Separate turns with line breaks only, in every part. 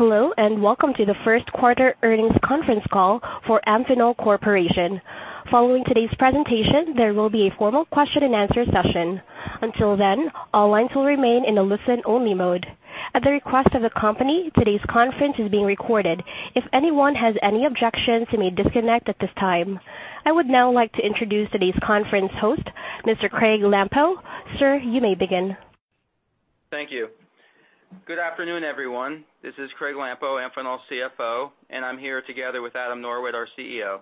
Hello, and welcome to the first quarter earnings conference call for Amphenol Corporation. Following today's presentation, there will be a formal question-and-answer session. Until then, all lines will remain in a listen-only mode. At the request of the company, today's conference is being recorded. If anyone has any objections, you may disconnect at this time. I would now like to introduce today's conference host, Mr. Craig Lampo. Sir, you may begin.
Thank you. Good afternoon, everyone. This is Craig Lampo, Amphenol's CFO, and I'm here together with Adam Norwitt, our CEO.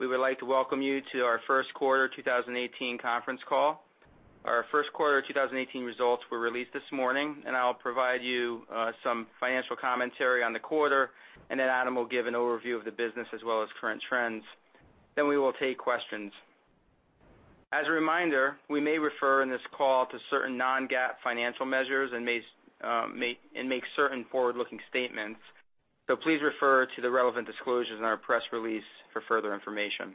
We would like to welcome you to our first quarter 2018 conference call. Our first quarter 2018 results were released this morning, and I'll provide you some financial commentary on the quarter, and then Adam will give an overview of the business as well as current trends. Then we will take questions. As a reminder, we may refer in this call to certain non-GAAP financial measures and make certain forward-looking statements. So please refer to the relevant disclosures in our press release for further information.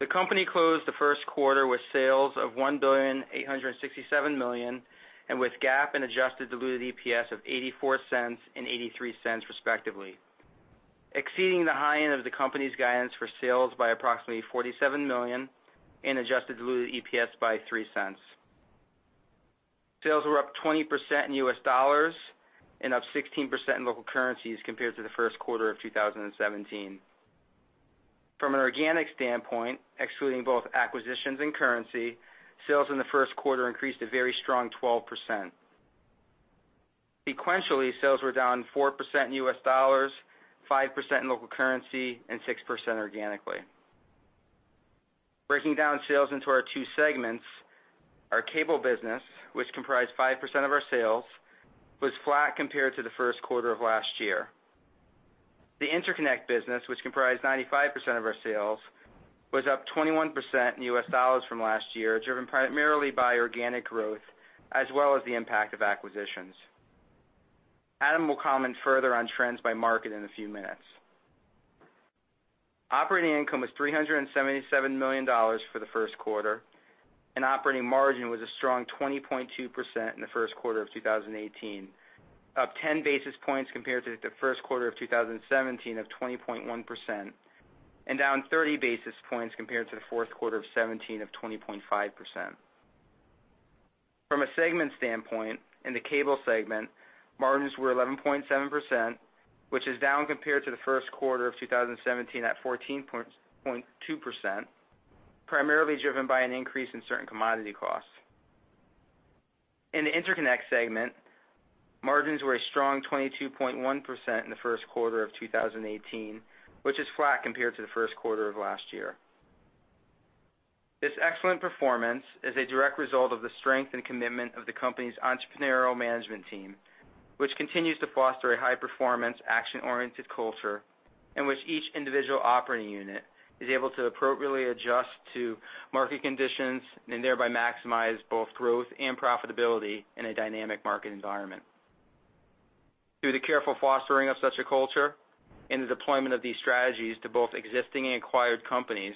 The company closed the first quarter with sales of $1,867,000,000 and with GAAP and adjusted diluted EPS of $0.84 and $0.83, respectively, exceeding the high end of the company's guidance for sales by approximately $47 million and adjusted diluted EPS by $0.03. Sales were up 20% in U.S. dollars and up 16% in local currencies compared to the first quarter of 2017. From an organic standpoint, excluding both acquisitions and currency, sales in the first quarter increased a very strong 12%. Sequentially, sales were down 4% in U.S. dollars, 5% in local currency, and 6% organically. Breaking down sales into our two segments, our cable business, which comprised 5% of our sales, was flat compared to the first quarter of last year. The interconnect business, which comprised 95% of our sales, was up 21% in US dollars from last year, driven primarily by organic growth as well as the impact of acquisitions. Adam will comment further on trends by market in a few minutes. Operating income was $377 million for the first quarter, and operating margin was a strong 20.2% in the first quarter of 2018, up 10 basis points compared to the first quarter of 2017 of 20.1%, and down 30 basis points compared to the fourth quarter of 2017 of 20.5%. From a segment standpoint, in the cable segment, margins were 11.7%, which is down compared to the first quarter of 2017 at 14.2%, primarily driven by an increase in certain commodity costs. In the interconnect segment, margins were a strong 22.1% in the first quarter of 2018, which is flat compared to the first quarter of last year. This excellent performance is a direct result of the strength and commitment of the company's entrepreneurial management team, which continues to foster a high-performance, action-oriented culture in which each individual operating unit is able to appropriately adjust to market conditions and thereby maximize both growth and profitability in a dynamic market environment. Through the careful fostering of such a culture and the deployment of these strategies to both existing and acquired companies,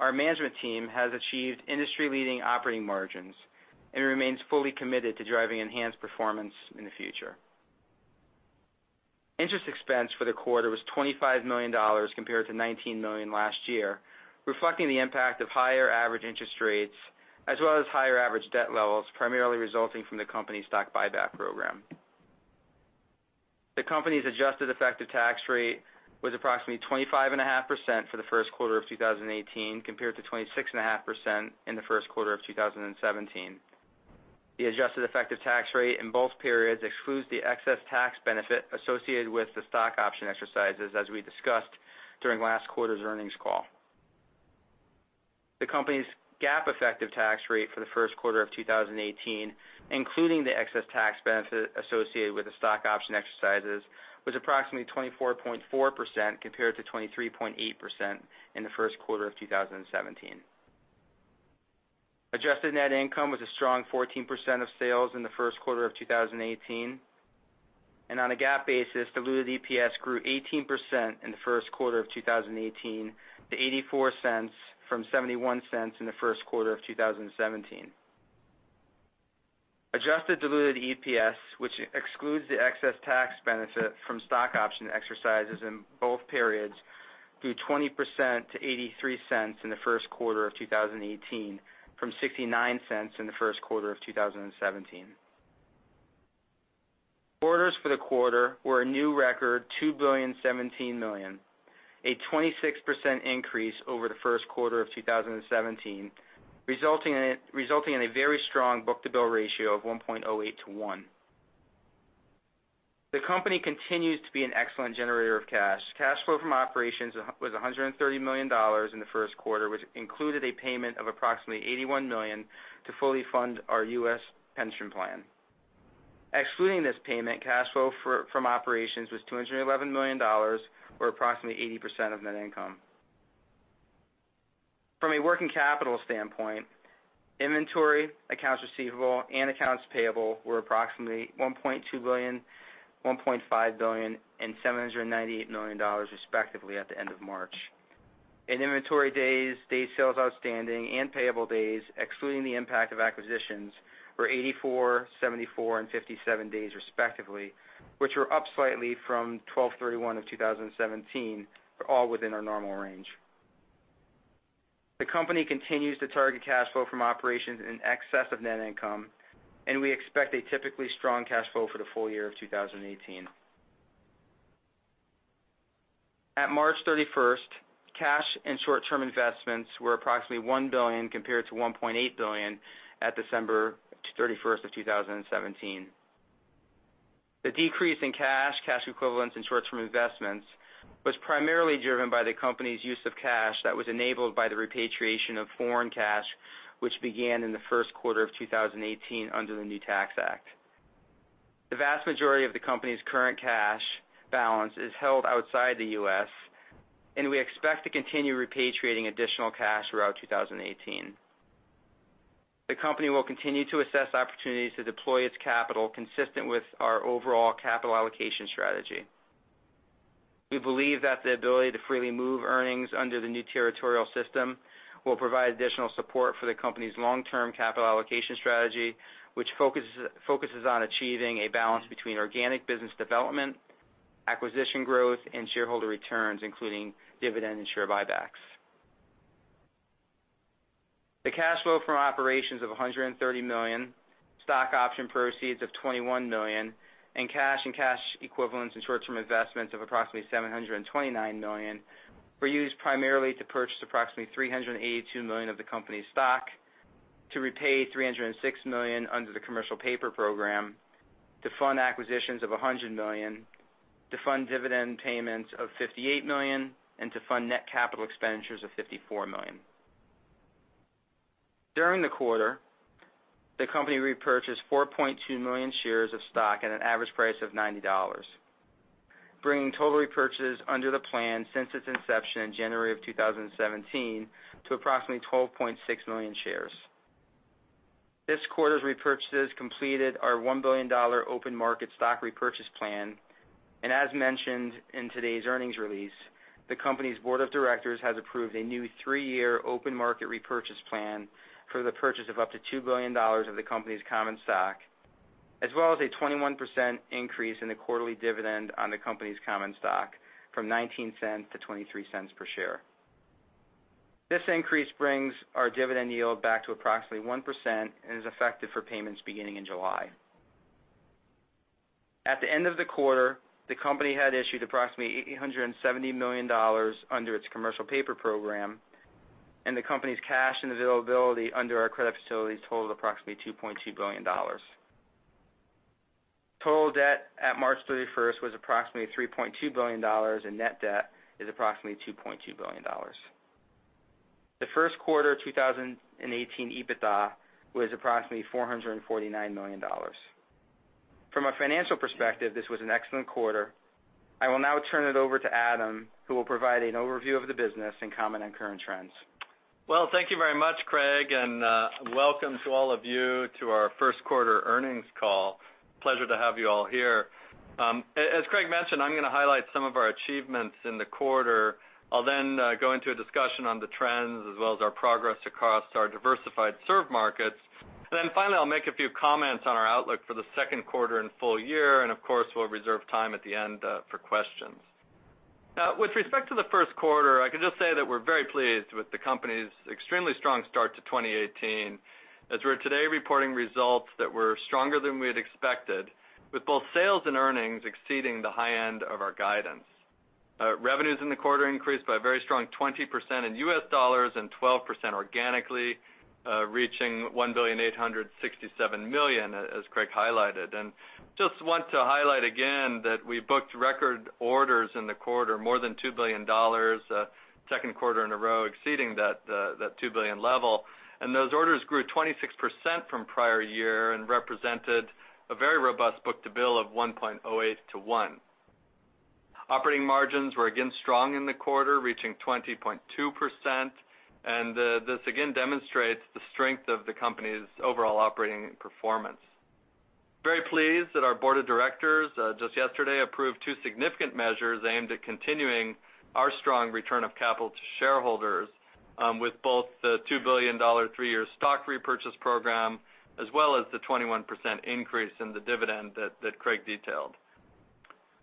our management team has achieved industry-leading operating margins and remains fully committed to driving enhanced performance in the future. Interest expense for the quarter was $25 million compared to $19 million last year, reflecting the impact of higher average interest rates as well as higher average debt levels, primarily resulting from the company's stock buyback program. The company's adjusted effective tax rate was approximately 25.5% for the first quarter of 2018 compared to 26.5% in the first quarter of 2017. The adjusted effective tax rate in both periods excludes the excess tax benefit associated with the stock option exercises, as we discussed during last quarter's earnings call. The company's GAAP effective tax rate for the first quarter of 2018, including the excess tax benefit associated with the stock option exercises, was approximately 24.4% compared to 23.8% in the first quarter of 2017. Adjusted net income was a strong 14% of sales in the first quarter of 2018, and on a GAAP basis, diluted EPS grew 18% in the first quarter of 2018 to $0.84 from $0.71 in the first quarter of 2017. Adjusted diluted EPS, which excludes the excess tax benefit from stock option exercises in both periods, grew 20% to $0.83 in the first quarter of 2018 from $0.69 in the first quarter of 2017. Orders for the quarter were a new record, $2,017,000,000, a 26% increase over the first quarter of 2017, resulting in a very strong book-to-bill ratio of 1.08 to 1. The company continues to be an excellent generator of cash. Cash flow from operations was $130 million in the first quarter, which included a payment of approximately $81 million to fully fund our U.S. pension plan. Excluding this payment, cash flow from operations was $211 million, or approximately 80% of net income. From a working capital standpoint, inventory, accounts receivable, and accounts payable were approximately $1.2 billion, $1.5 billion, and $798 million, respectively, at the end of March. Inventory days, days sales outstanding, and payable days, excluding the impact of acquisitions, were 84, 74, and 57 days, respectively, which were up slightly from December 31 of 2017, but all within our normal range. The company continues to target cash flow from operations in excess of net income, and we expect a typically strong cash flow for the full year of 2018. At March 31st, cash and short-term investments were approximately $1 billion compared to $1.8 billion at December 31st of 2017. The decrease in cash, cash equivalents, and short-term investments was primarily driven by the company's use of cash that was enabled by the repatriation of foreign cash, which began in the first quarter of 2018 under the new tax act. The vast majority of the company's current cash balance is held outside the U.S., and we expect to continue repatriating additional cash throughout 2018. The company will continue to assess opportunities to deploy its capital consistent with our overall capital allocation strategy. We believe that the ability to freely move earnings under the new territorial system will provide additional support for the company's long-term capital allocation strategy, which focuses on achieving a balance between organic business development, acquisition growth, and shareholder returns, including dividend and share buybacks. The cash flow from operations of $130 million, stock option proceeds of $21 million, and cash and cash equivalents and short-term investments of approximately $729 million were used primarily to purchase approximately $382 million of the company's stock, to repay $306 million under the commercial paper program, to fund acquisitions of $100 million, to fund dividend payments of $58 million, and to fund net capital expenditures of $54 million. During the quarter, the company repurchased $4.2 million shares of stock at an average price of $90, bringing total repurchases under the plan since its inception in January of 2017 to approximately $12.6 million shares. This quarter's repurchases completed our $1 billion open market stock repurchase plan, and as mentioned in today's earnings release, the company's board of directors has approved a new three-year open market repurchase plan for the purchase of up to $2 billion of the company's common stock, as well as a 21% increase in the quarterly dividend on the company's common stock from $0.19 to $0.23 per share. This increase brings our dividend yield back to approximately 1% and is effective for payments beginning in July. At the end of the quarter, the company had issued approximately $870 million under its commercial paper program, and the company's cash and availability under our credit facilities totaled approximately $2.2 billion. Total debt at March 31st was approximately $3.2 billion, and net debt is approximately $2.2 billion. The first quarter 2018 EBITDA was approximately $449 million. From a financial perspective, this was an excellent quarter. I will now turn it over to Adam, who will provide an overview of the business and comment on current trends.
Well, thank you very much, Craig, and welcome to all of you to our first quarter earnings call. Pleasure to have you all here. As Craig mentioned, I'm going to highlight some of our achievements in the quarter. I'll then go into a discussion on the trends as well as our progress across our diversified served markets. Then finally, I'll make a few comments on our outlook for the second quarter and full year, and of course, we'll reserve time at the end for questions. Now, with respect to the first quarter, I can just say that we're very pleased with the company's extremely strong start to 2018, as we're today reporting results that were stronger than we had expected, with both sales and earnings exceeding the high end of our guidance. Revenues in the quarter increased by a very strong 20% in U.S. dollars and 12% organically, reaching $1,867,000,000, as Craig highlighted. Just want to highlight again that we booked record orders in the quarter, more than $2 billion second quarter in a row, exceeding that $2 billion level. Those orders grew 26% from prior year and represented a very robust book-to-bill of 1.08 to 1. Operating margins were, again, strong in the quarter, reaching 20.2%, and this, again, demonstrates the strength of the company's overall operating performance. Very pleased that our board of directors just yesterday approved two significant measures aimed at continuing our strong return of capital to shareholders, with both the $2 billion three-year stock repurchase program as well as the 21% increase in the dividend that Craig detailed.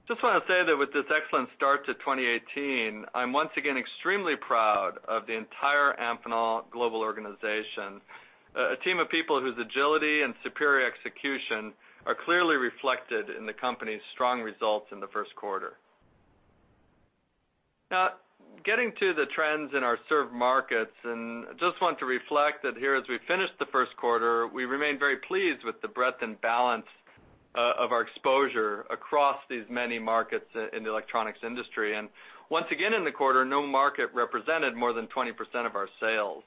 Just want to say that with this excellent start to 2018, I'm once again extremely proud of the entire Amphenol Global organization, a team of people whose agility and superior execution are clearly reflected in the company's strong results in the first quarter. Now, getting to the trends in our served markets, and I just want to reflect that here, as we finished the first quarter, we remained very pleased with the breadth and balance of our exposure across these many markets in the electronics industry. And once again in the quarter, no market represented more than 20% of our sales.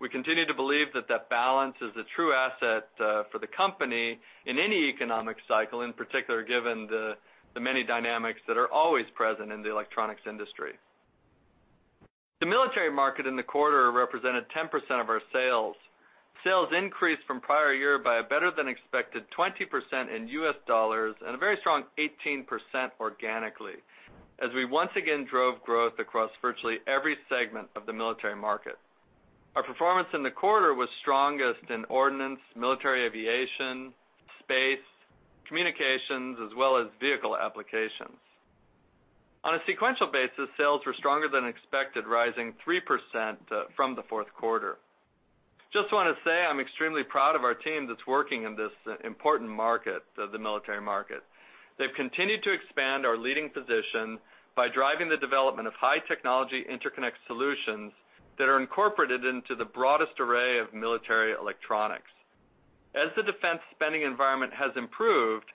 We continue to believe that that balance is a true asset for the company in any economic cycle, in particular given the many dynamics that are always present in the electronics industry. The military market in the quarter represented 10% of our sales. Sales increased from prior year by a better-than-expected 20% in U.S. dollars and a very strong 18% organically, as we once again drove growth across virtually every segment of the military market. Our performance in the quarter was strongest in ordnance, military aviation, space, communications, as well as vehicle applications. On a sequential basis, sales were stronger than expected, rising 3% from the fourth quarter. Just want to say I'm extremely proud of our team that's working in this important market, the military market. They've continued to expand our leading position by driving the development of high-technology interconnect solutions that are incorporated into the broadest array of military electronics. As the defense spending environment has improved,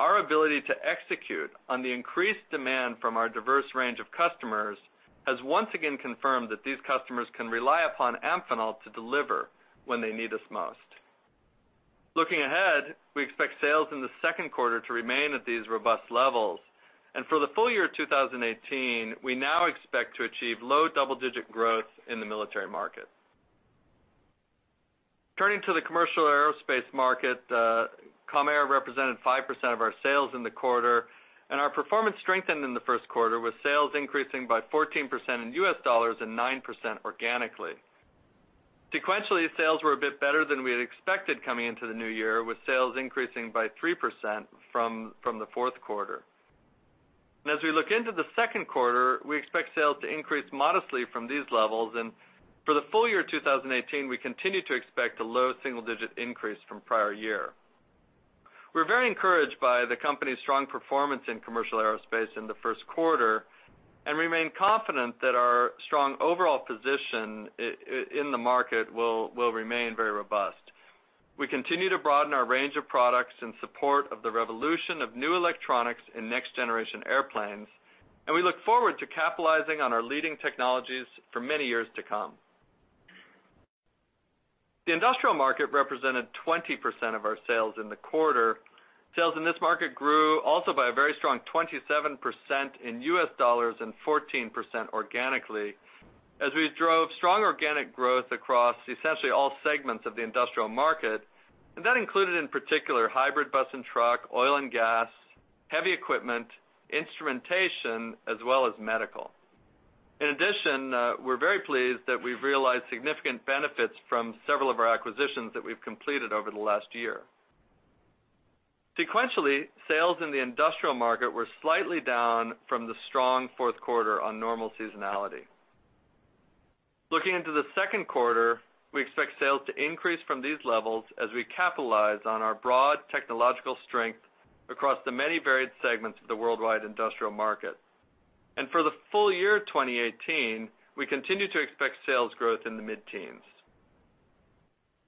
our ability to execute on the increased demand from our diverse range of customers has once again confirmed that these customers can rely upon Amphenol to deliver when they need us most. Looking ahead, we expect sales in the second quarter to remain at these robust levels, and for the full year of 2018, we now expect to achieve low double-digit growth in the military market. Turning to the commercial aerospace market, Com Air represented 5% of our sales in the quarter, and our performance strengthened in the first quarter, with sales increasing by 14% in U.S. dollars and 9% organically. Sequentially, sales were a bit better than we had expected coming into the new year, with sales increasing by 3% from the fourth quarter. As we look into the second quarter, we expect sales to increase modestly from these levels, and for the full year of 2018, we continue to expect a low single-digit increase from prior year. We're very encouraged by the company's strong performance in commercial aerospace in the first quarter and remain confident that our strong overall position in the market will remain very robust. We continue to broaden our range of products in support of the revolution of new electronics and next-generation airplanes, and we look forward to capitalizing on our leading technologies for many years to come. The industrial market represented 20% of our sales in the quarter. Sales in this market grew also by a very strong 27% in US dollars and 14% organically, as we drove strong organic growth across essentially all segments of the industrial market, and that included in particular hybrid bus and truck, oil and gas, heavy equipment, instrumentation, as well as medical. In addition, we're very pleased that we've realized significant benefits from several of our acquisitions that we've completed over the last year. Sequentially, sales in the industrial market were slightly down from the strong fourth quarter on normal seasonality. Looking into the second quarter, we expect sales to increase from these levels as we capitalize on our broad technological strength across the many varied segments of the worldwide industrial market. And for the full year of 2018, we continue to expect sales growth in the mid-teens.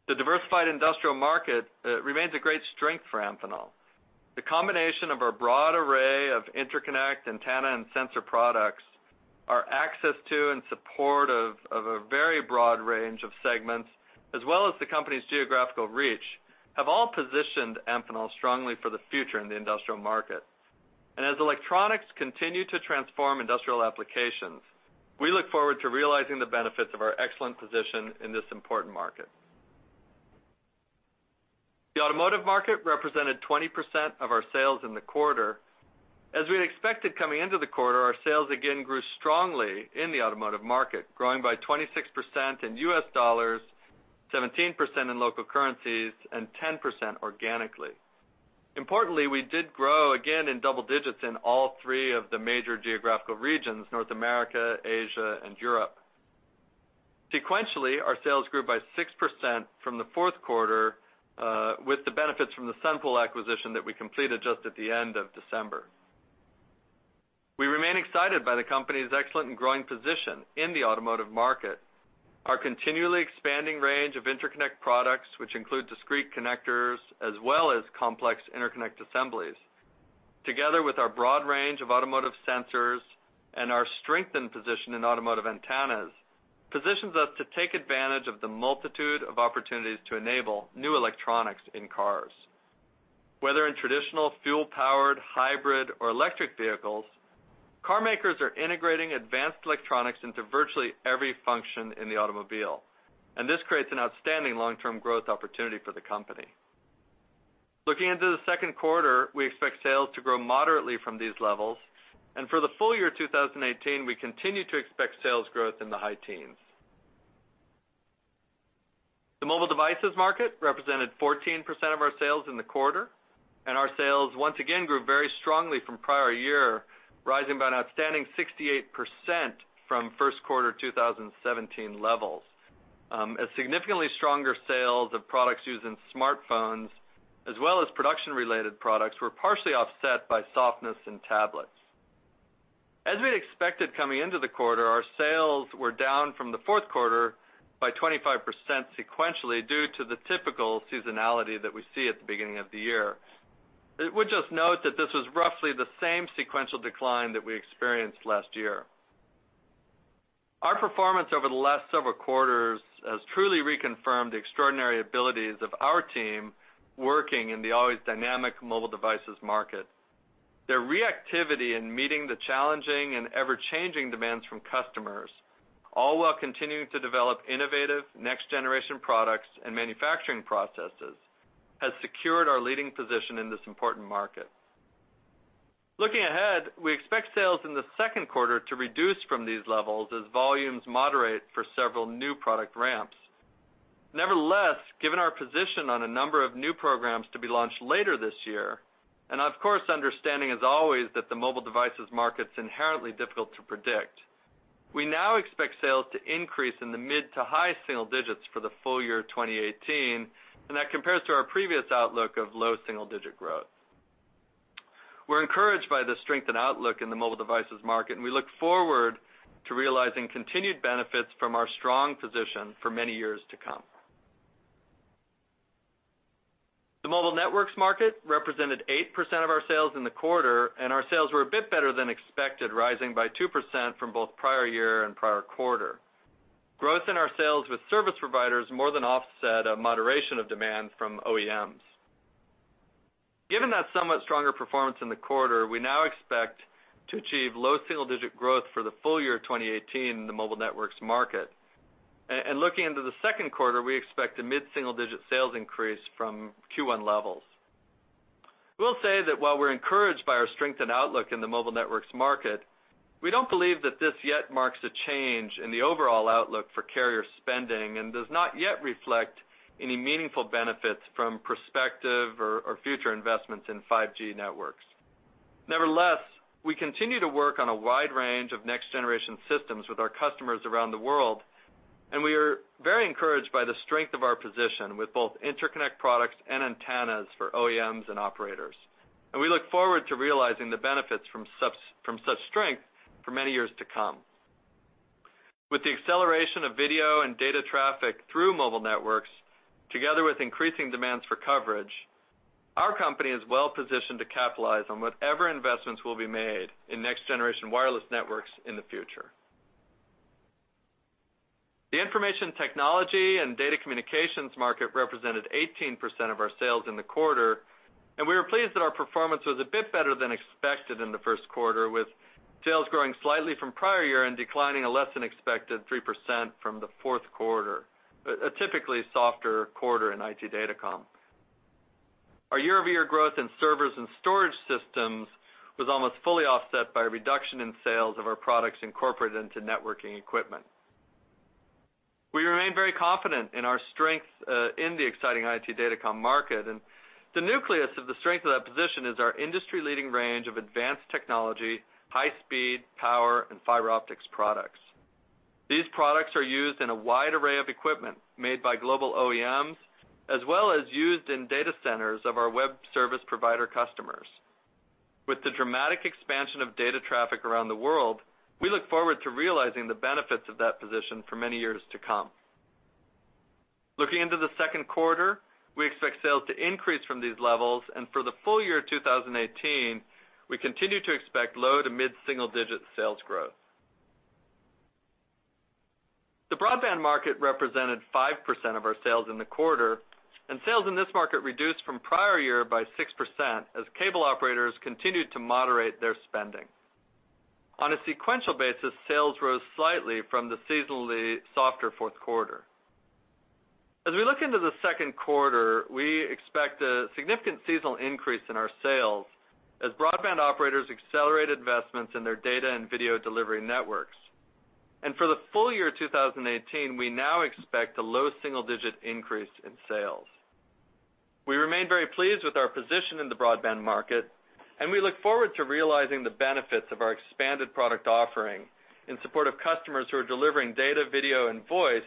The diversified industrial market remains a great strength for Amphenol. The combination of our broad array of interconnect, antenna, and sensor products, our access to and support of a very broad range of segments, as well as the company's geographical reach, have all positioned Amphenol strongly for the future in the industrial market. And as electronics continue to transform industrial applications, we look forward to realizing the benefits of our excellent position in this important market. The automotive market represented 20% of our sales in the quarter. As we had expected coming into the quarter, our sales again grew strongly in the automotive market, growing by 26% in U.S. dollars, 17% in local currencies, and 10% organically. Importantly, we did grow again in double digits in all three of the major geographical regions: North America, Asia, and Europe. Sequentially, our sales grew by 6% from the fourth quarter, with the benefits from the Sunpool acquisition that we completed just at the end of December. We remain excited by the company's excellent and growing position in the automotive market, our continually expanding range of interconnect products, which include discrete connectors as well as complex interconnect assemblies. Together with our broad range of automotive sensors and our strengthened position in automotive antennas, it positions us to take advantage of the multitude of opportunities to enable new electronics in cars. Whether in traditional fuel-powered, hybrid, or electric vehicles, car makers are integrating advanced electronics into virtually every function in the automobile, and this creates an outstanding long-term growth opportunity for the company. Looking into the second quarter, we expect sales to grow moderately from these levels, and for the full year of 2018, we continue to expect sales growth in the high teens. The mobile devices market represented 14% of our sales in the quarter, and our sales once again grew very strongly from prior year, rising by an outstanding 68% from first quarter 2017 levels. As significantly stronger sales of products used in smartphones, as well as production-related products, were partially offset by softness in tablets. As we had expected coming into the quarter, our sales were down from the fourth quarter by 25% sequentially due to the typical seasonality that we see at the beginning of the year. We'll just note that this was roughly the same sequential decline that we experienced last year. Our performance over the last several quarters has truly reconfirmed the extraordinary abilities of our team working in the always dynamic mobile devices market. Their reactivity in meeting the challenging and ever-changing demands from customers, all while continuing to develop innovative next-generation products and manufacturing processes, has secured our leading position in this important market. Looking ahead, we expect sales in the second quarter to reduce from these levels as volumes moderate for several new product ramps. Nevertheless, given our position on a number of new programs to be launched later this year, and of course, understanding as always that the mobile devices market's inherently difficult to predict, we now expect sales to increase in the mid- to high-single-digits for the full year of 2018, and that compares to our previous outlook of low-single-digit growth. We're encouraged by the strengthened outlook in the mobile devices market, and we look forward to realizing continued benefits from our strong position for many years to come. The mobile networks market represented 8% of our sales in the quarter, and our sales were a bit better than expected, rising by 2% from both prior year and prior quarter. Growth in our sales with service providers more than offset a moderation of demand from OEMs. Given that somewhat stronger performance in the quarter, we now expect to achieve low single-digit growth for the full year of 2018 in the mobile networks market. Looking into the second quarter, we expect a mid-single-digit sales increase from Q1 levels. We'll say that while we're encouraged by our strengthened outlook in the mobile networks market, we don't believe that this yet marks a change in the overall outlook for carrier spending and does not yet reflect any meaningful benefits from prospective or future investments in 5G networks. Nevertheless, we continue to work on a wide range of next-generation systems with our customers around the world, and we are very encouraged by the strength of our position with both interconnect products and antennas for OEMs and operators. We look forward to realizing the benefits from such strength for many years to come. With the acceleration of video and data traffic through mobile networks, together with increasing demands for coverage, our company is well-positioned to capitalize on whatever investments will be made in next-generation wireless networks in the future. The information technology and data communications market represented 18% of our sales in the quarter, and we were pleased that our performance was a bit better than expected in the first quarter, with sales growing slightly from prior year and declining a less-than-expected 3% from the fourth quarter, a typically softer quarter in IT Datacom. Our year-over-year growth in servers and storage systems was almost fully offset by a reduction in sales of our products incorporated into networking equipment. We remain very confident in our strength in the exciting IT Datacom market, and the nucleus of the strength of that position is our industry-leading range of advanced technology, high-speed power, and fiber optics products. These products are used in a wide array of equipment made by global OEMs, as well as used in data centers of our web service provider customers. With the dramatic expansion of data traffic around the world, we look forward to realizing the benefits of that position for many years to come. Looking into the second quarter, we expect sales to increase from these levels, and for the full year of 2018, we continue to expect low to mid-single-digit sales growth. The broadband market represented 5% of our sales in the quarter, and sales in this market reduced from prior year by 6% as cable operators continued to moderate their spending. On a sequential basis, sales rose slightly from the seasonally softer fourth quarter. As we look into the second quarter, we expect a significant seasonal increase in our sales as broadband operators accelerate investments in their data and video delivery networks. For the full year of 2018, we now expect a low single-digit increase in sales. We remain very pleased with our position in the broadband market, and we look forward to realizing the benefits of our expanded product offering in support of customers who are delivering data, video, and voice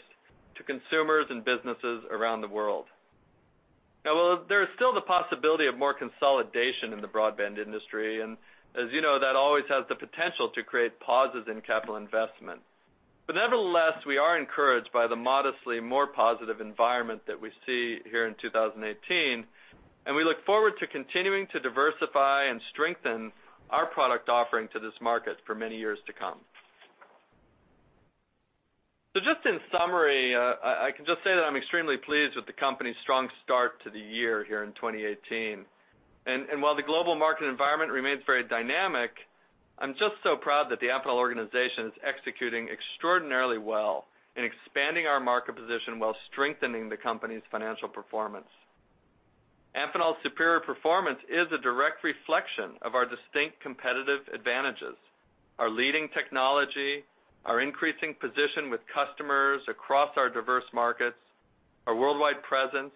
to consumers and businesses around the world. Now, while there is still the possibility of more consolidation in the broadband industry, and as you know, that always has the potential to create pauses in capital investment. But nevertheless, we are encouraged by the modestly more positive environment that we see here in 2018, and we look forward to continuing to diversify and strengthen our product offering to this market for many years to come. So just in summary, I can just say that I'm extremely pleased with the company's strong start to the year here in 2018. And while the global market environment remains very dynamic, I'm just so proud that the Amphenol organization is executing extraordinarily well in expanding our market position while strengthening the company's financial performance. Amphenol's superior performance is a direct reflection of our distinct competitive advantages: our leading technology, our increasing position with customers across our diverse markets, our worldwide presence,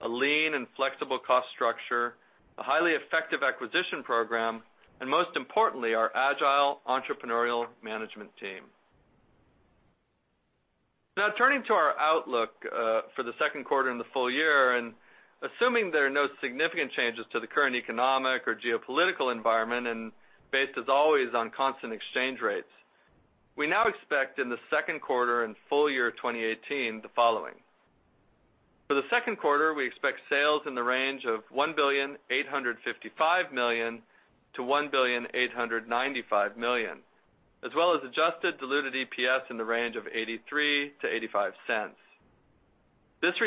a lean and flexible cost structure, a highly effective acquisition program, and most importantly, our agile entrepreneurial management team. Now, turning to our outlook for the second quarter and the full year, and assuming there are no significant changes to the current economic or geopolitical environment and based as always on constant exchange rates, we now expect in the second quarter and full year of 2018 the following. For the second quarter, we expect sales in the range of $1,855,000,000-$1,895,000,000, as well as adjusted diluted EPS in the range of $0.83-$0.85. This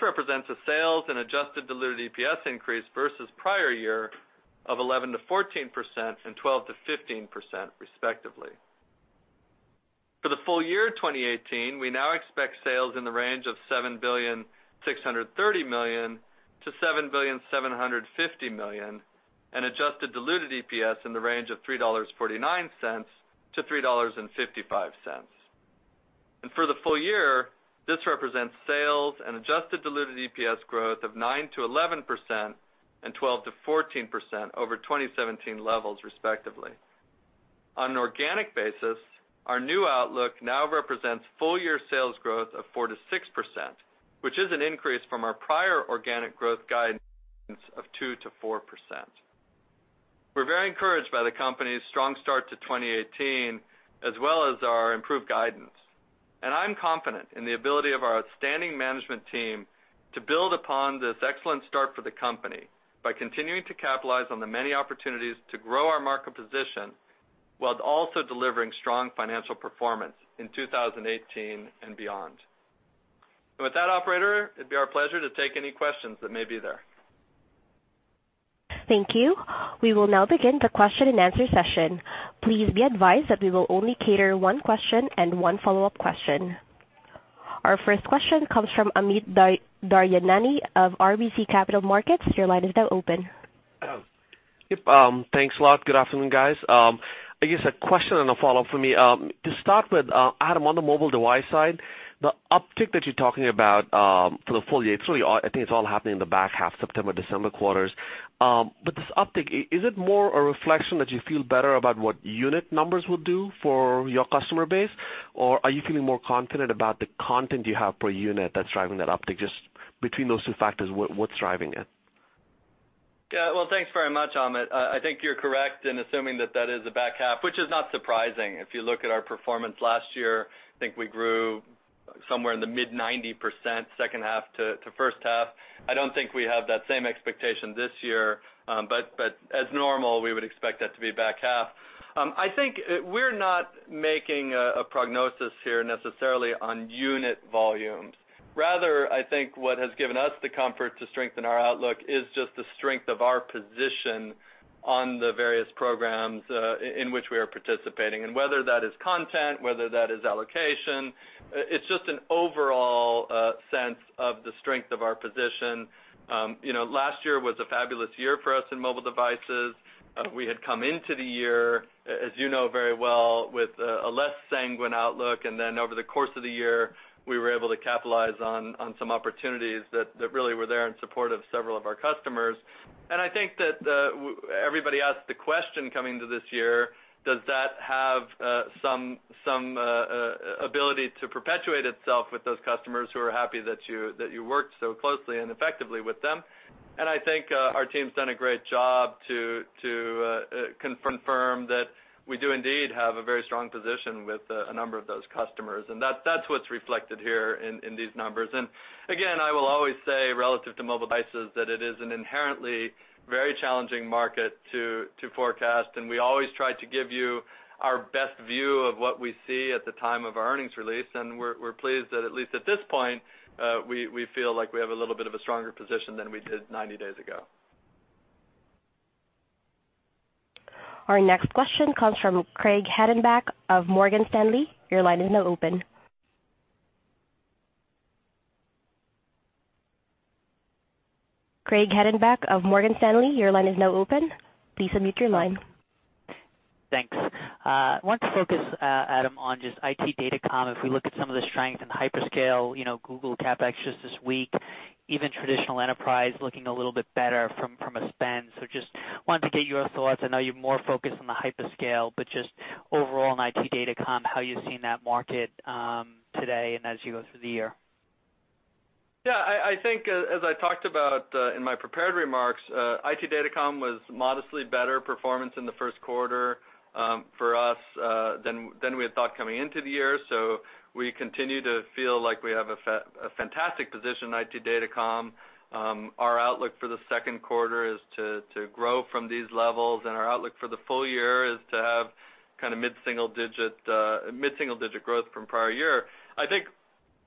represents a sales and adjusted diluted EPS increase versus prior year of 11%-14% and 12%-15%, respectively. For the full year of 2018, we now expect sales in the range of $7,630,000,000-$7,750,000,000 and adjusted diluted EPS in the range of $3.49-$3.55. For the full year, this represents sales and adjusted diluted EPS growth of 9%-11% and 12%-14% over 2017 levels, respectively. On an organic basis, our new outlook now represents full year sales growth of 4%-6%, which is an increase from our prior organic growth guidance of 2%-4%. We're very encouraged by the company's strong start to 2018, as well as our improved guidance. I'm confident in the ability of our outstanding management team to build upon this excellent start for the company by continuing to capitalize on the many opportunities to grow our market position while also delivering strong financial performance in 2018 and beyond. And with that, Operator, it'd be our pleasure to take any questions that may be there.
Thank you. We will now begin the question-and-answer session. Please be advised that we will only take one question and one follow-up question. Our first question comes from Amit Daryanani of RBC Capital Markets. Your line is now open.
Yep. Thanks a lot. Good afternoon, guys. I guess a question and a follow-up for me. To start with, Adam, on the mobile device side, the uptick that you're talking about for the full year, I think it's all happening in the back half, September, December quarters. But this uptick, is it more a reflection that you feel better about what unit numbers will do for your customer base, or are you feeling more confident about the content you have per unit that's driving that uptick? Just between those two factors, what's driving it?
Yeah. Well, thanks very much, Amit. I think you're correct in assuming that that is the back half, which is not surprising. If you look at our performance last year, I think we grew somewhere in the mid-90% second half to first half. I don't think we have that same expectation this year, but as normal, we would expect that to be back half. I think we're not making a prognosis here necessarily on unit volumes. Rather, I think what has given us the comfort to strengthen our outlook is just the strength of our position on the various programs in which we are participating. And whether that is content, whether that is allocation, it's just an overall sense of the strength of our position. Last year was a fabulous year for us in mobile devices. We had come into the year, as you know very well, with a less sanguine outlook, and then over the course of the year, we were able to capitalize on some opportunities that really were there in support of several of our customers. And I think that everybody asked the question coming to this year, does that have some ability to perpetuate itself with those customers who are happy that you worked so closely and effectively with them? And I think our team's done a great job to confirm that we do indeed have a very strong position with a number of those customers. And that's what's reflected here in these numbers. And again, I will always say relative to mobile devices that it is an inherently very challenging market to forecast, and we always try to give you our best view of what we see at the time of our earnings release. And we're pleased that at least at this point, we feel like we have a little bit of a stronger position than we did 90 days ago.
Our next question comes from Craig Hettenbach of Morgan Stanley. Your line is now open. Craig Hettenbach of Morgan Stanley, your line is now open. Please unmute your line. Thanks. I want to focus, Adam, on just IT Datacom. If we look at some of the strength in hyperscale, Google CapEx just this week, even traditional enterprise looking a little bit better from a spend. So just wanted to get your thoughts. I know you're more focused on the hyperscale, but just overall in IT Datacom, how you're seeing that market today and as you go through the year?
Yeah. I think, as I talked about in my prepared remarks, IT Datacom was modestly better performance in the first quarter for us than we had thought coming into the year. So we continue to feel like we have a fantastic position in IT Datacom. Our outlook for the second quarter is to grow from these levels, and our outlook for the full year is to have kind of mid-single digit growth from prior year. I think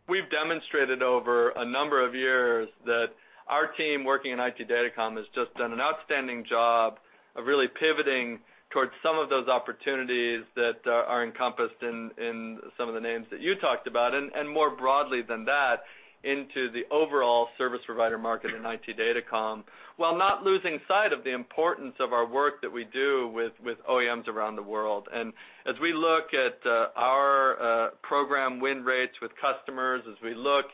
we've demonstrated over a number of years that our team working in IT Datacom has just done an outstanding job of really pivoting towards some of those opportunities that are encompassed in some of the names that you talked about, and more broadly than that, into the overall service provider market in IT Datacom while not losing sight of the importance of our work that we do with OEMs around the world. And as we look at our program win rates with customers, as we look at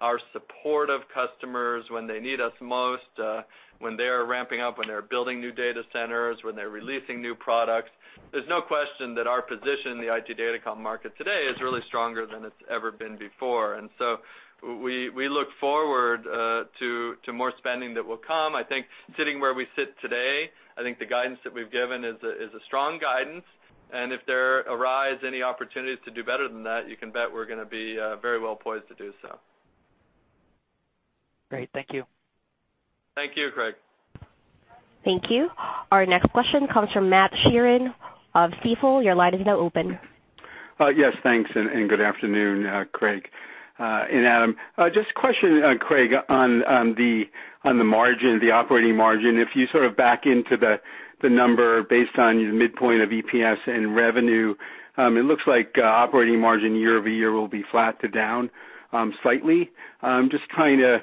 our support of customers when they need us most, when they're ramping up, when they're building new data centers, when they're releasing new products, there's no question that our position in the IT Datacom market today is really stronger than it's ever been before. And so we look forward to more spending that will come. I think sitting where we sit today, I think the guidance that we've given is a strong guidance. And if there arise any opportunities to do better than that, you can bet we're going to be very well poised to do so.
Great. Thank you.
Thank you, Craig.
Thank you. Our next question comes from Matt Sheerin of Stifel. Your line is now open. Yes. Thanks. And good afternoon, Craig. And Adam, just a question, Craig, on the margin, the operating margin. If you sort of back into the number based on the midpoint of EPS and revenue, it looks like operating margin year-over-year will be flat to down slightly. Just trying to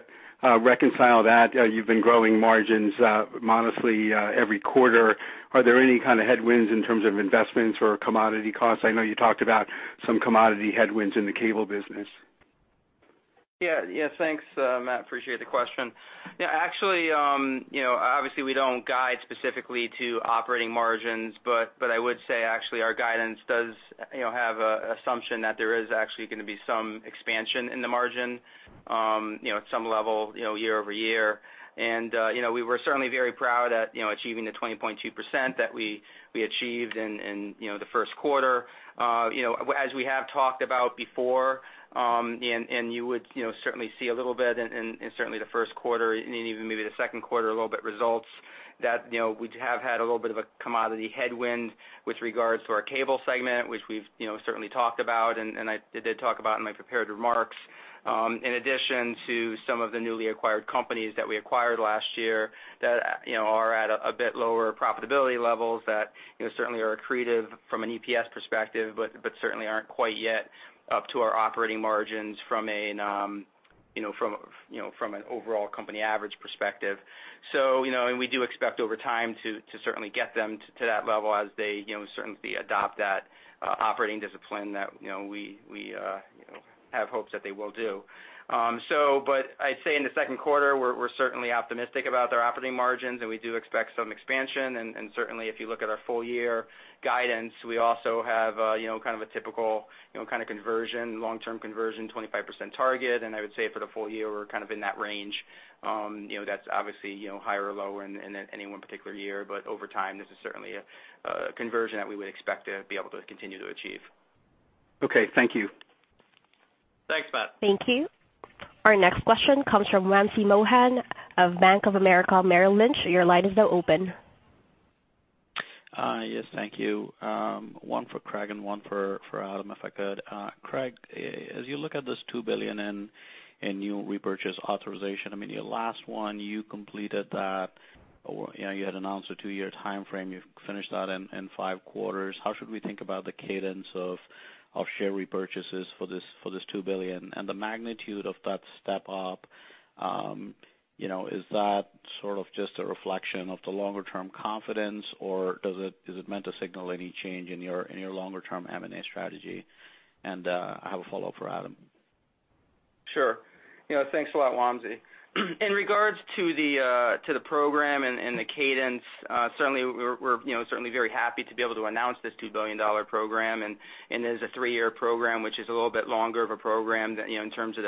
reconcile that. You've been growing margins modestly every quarter. Are there any kind of headwinds in terms of investments or commodity costs? I know you talked about some commodity headwinds in the cable business.
Yeah. Yeah. Thanks, Matt. Appreciate the question. Yeah. Actually, obviously, we don't guide specifically to operating margins, but I would say actually our guidance does have an assumption that there is actually going to be some expansion in the margin at some level year-over-year. And we were certainly very proud at achieving the 20.2% that we achieved in the first quarter. As we have talked about before, and you would certainly see a little bit in certainly the first quarter and even maybe the second quarter, a little bit results that we have had a little bit of a commodity headwind with regards to our cable segment, which we've certainly talked about, and I did talk about in my prepared remarks. In addition to some of the newly acquired companies that we acquired last year that are at a bit lower profitability levels that certainly are accretive from an EPS perspective, but certainly aren't quite yet up to our operating margins from an overall company average perspective. So we do expect over time to certainly get them to that level as they certainly adopt that operating discipline that we have hopes that they will do. But I'd say in the second quarter, we're certainly optimistic about their operating margins, and we do expect some expansion. And certainly, if you look at our full year guidance, we also have kind of a typical kind of conversion, long-term conversion, 25% target. And I would say for the full year, we're kind of in that range. That's obviously higher or lower in any one particular year, but over time, this is certainly a conversion that we would expect to be able to continue to achieve.
Okay. Thank you.
Thanks, Matt.
Thank you. Our next question comes from Wamsi Mohan of Bank of America Merrill Lynch. Your line is now open.
Yes. Thank you. One for Craig and one for Adam if I could. Craig, as you look at this $2 billion in new repurchase authorization, I mean, your last one, you completed that. You had announced a two-year timeframe. You've finished that in five quarters. How should we think about the cadence of share repurchases for this $2 billion? And the magnitude of that step up, is that sort of just a reflection of the longer-term confidence, or is it meant to signal any change in your longer-term M&A strategy? I have a follow-up for Adam. Sure. Thanks a lot, Wamsi. In regards to the program and the cadence, certainly, we're certainly very happy to be able to announce this $2 billion program. And it is a three-year program, which is a little bit longer of a program in terms of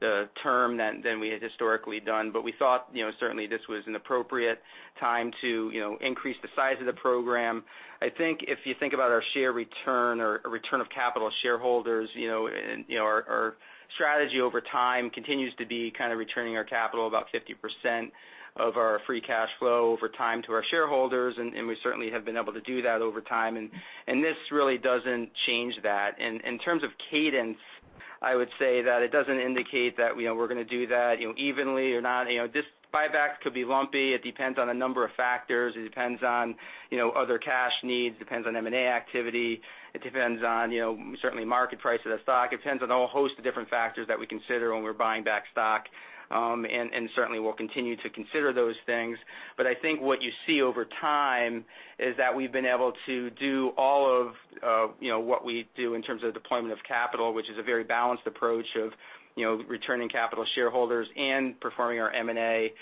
the term than we had historically done. But we thought certainly this was an appropriate time to increase the size of the program. I think if you think about our share return or return of capital shareholders, our strategy over time continues to be kind of returning our capital about 50% of our free cash flow over time to our shareholders. And we certainly have been able to do that over time. And this really doesn't change that. In terms of cadence, I would say that it doesn't indicate that we're going to do that evenly or not. This buyback could be lumpy. It depends on a number of factors. It depends on other cash needs. It depends on M&A activity. It depends on certainly market price of the stock. It depends on a whole host of different factors that we consider when we're buying back stock. And certainly, we'll continue to consider those things. But I think what you see over time is that we've been able to do all of what we do in terms of deployment of capital, which is a very balanced approach of returning capital shareholders and performing our M&A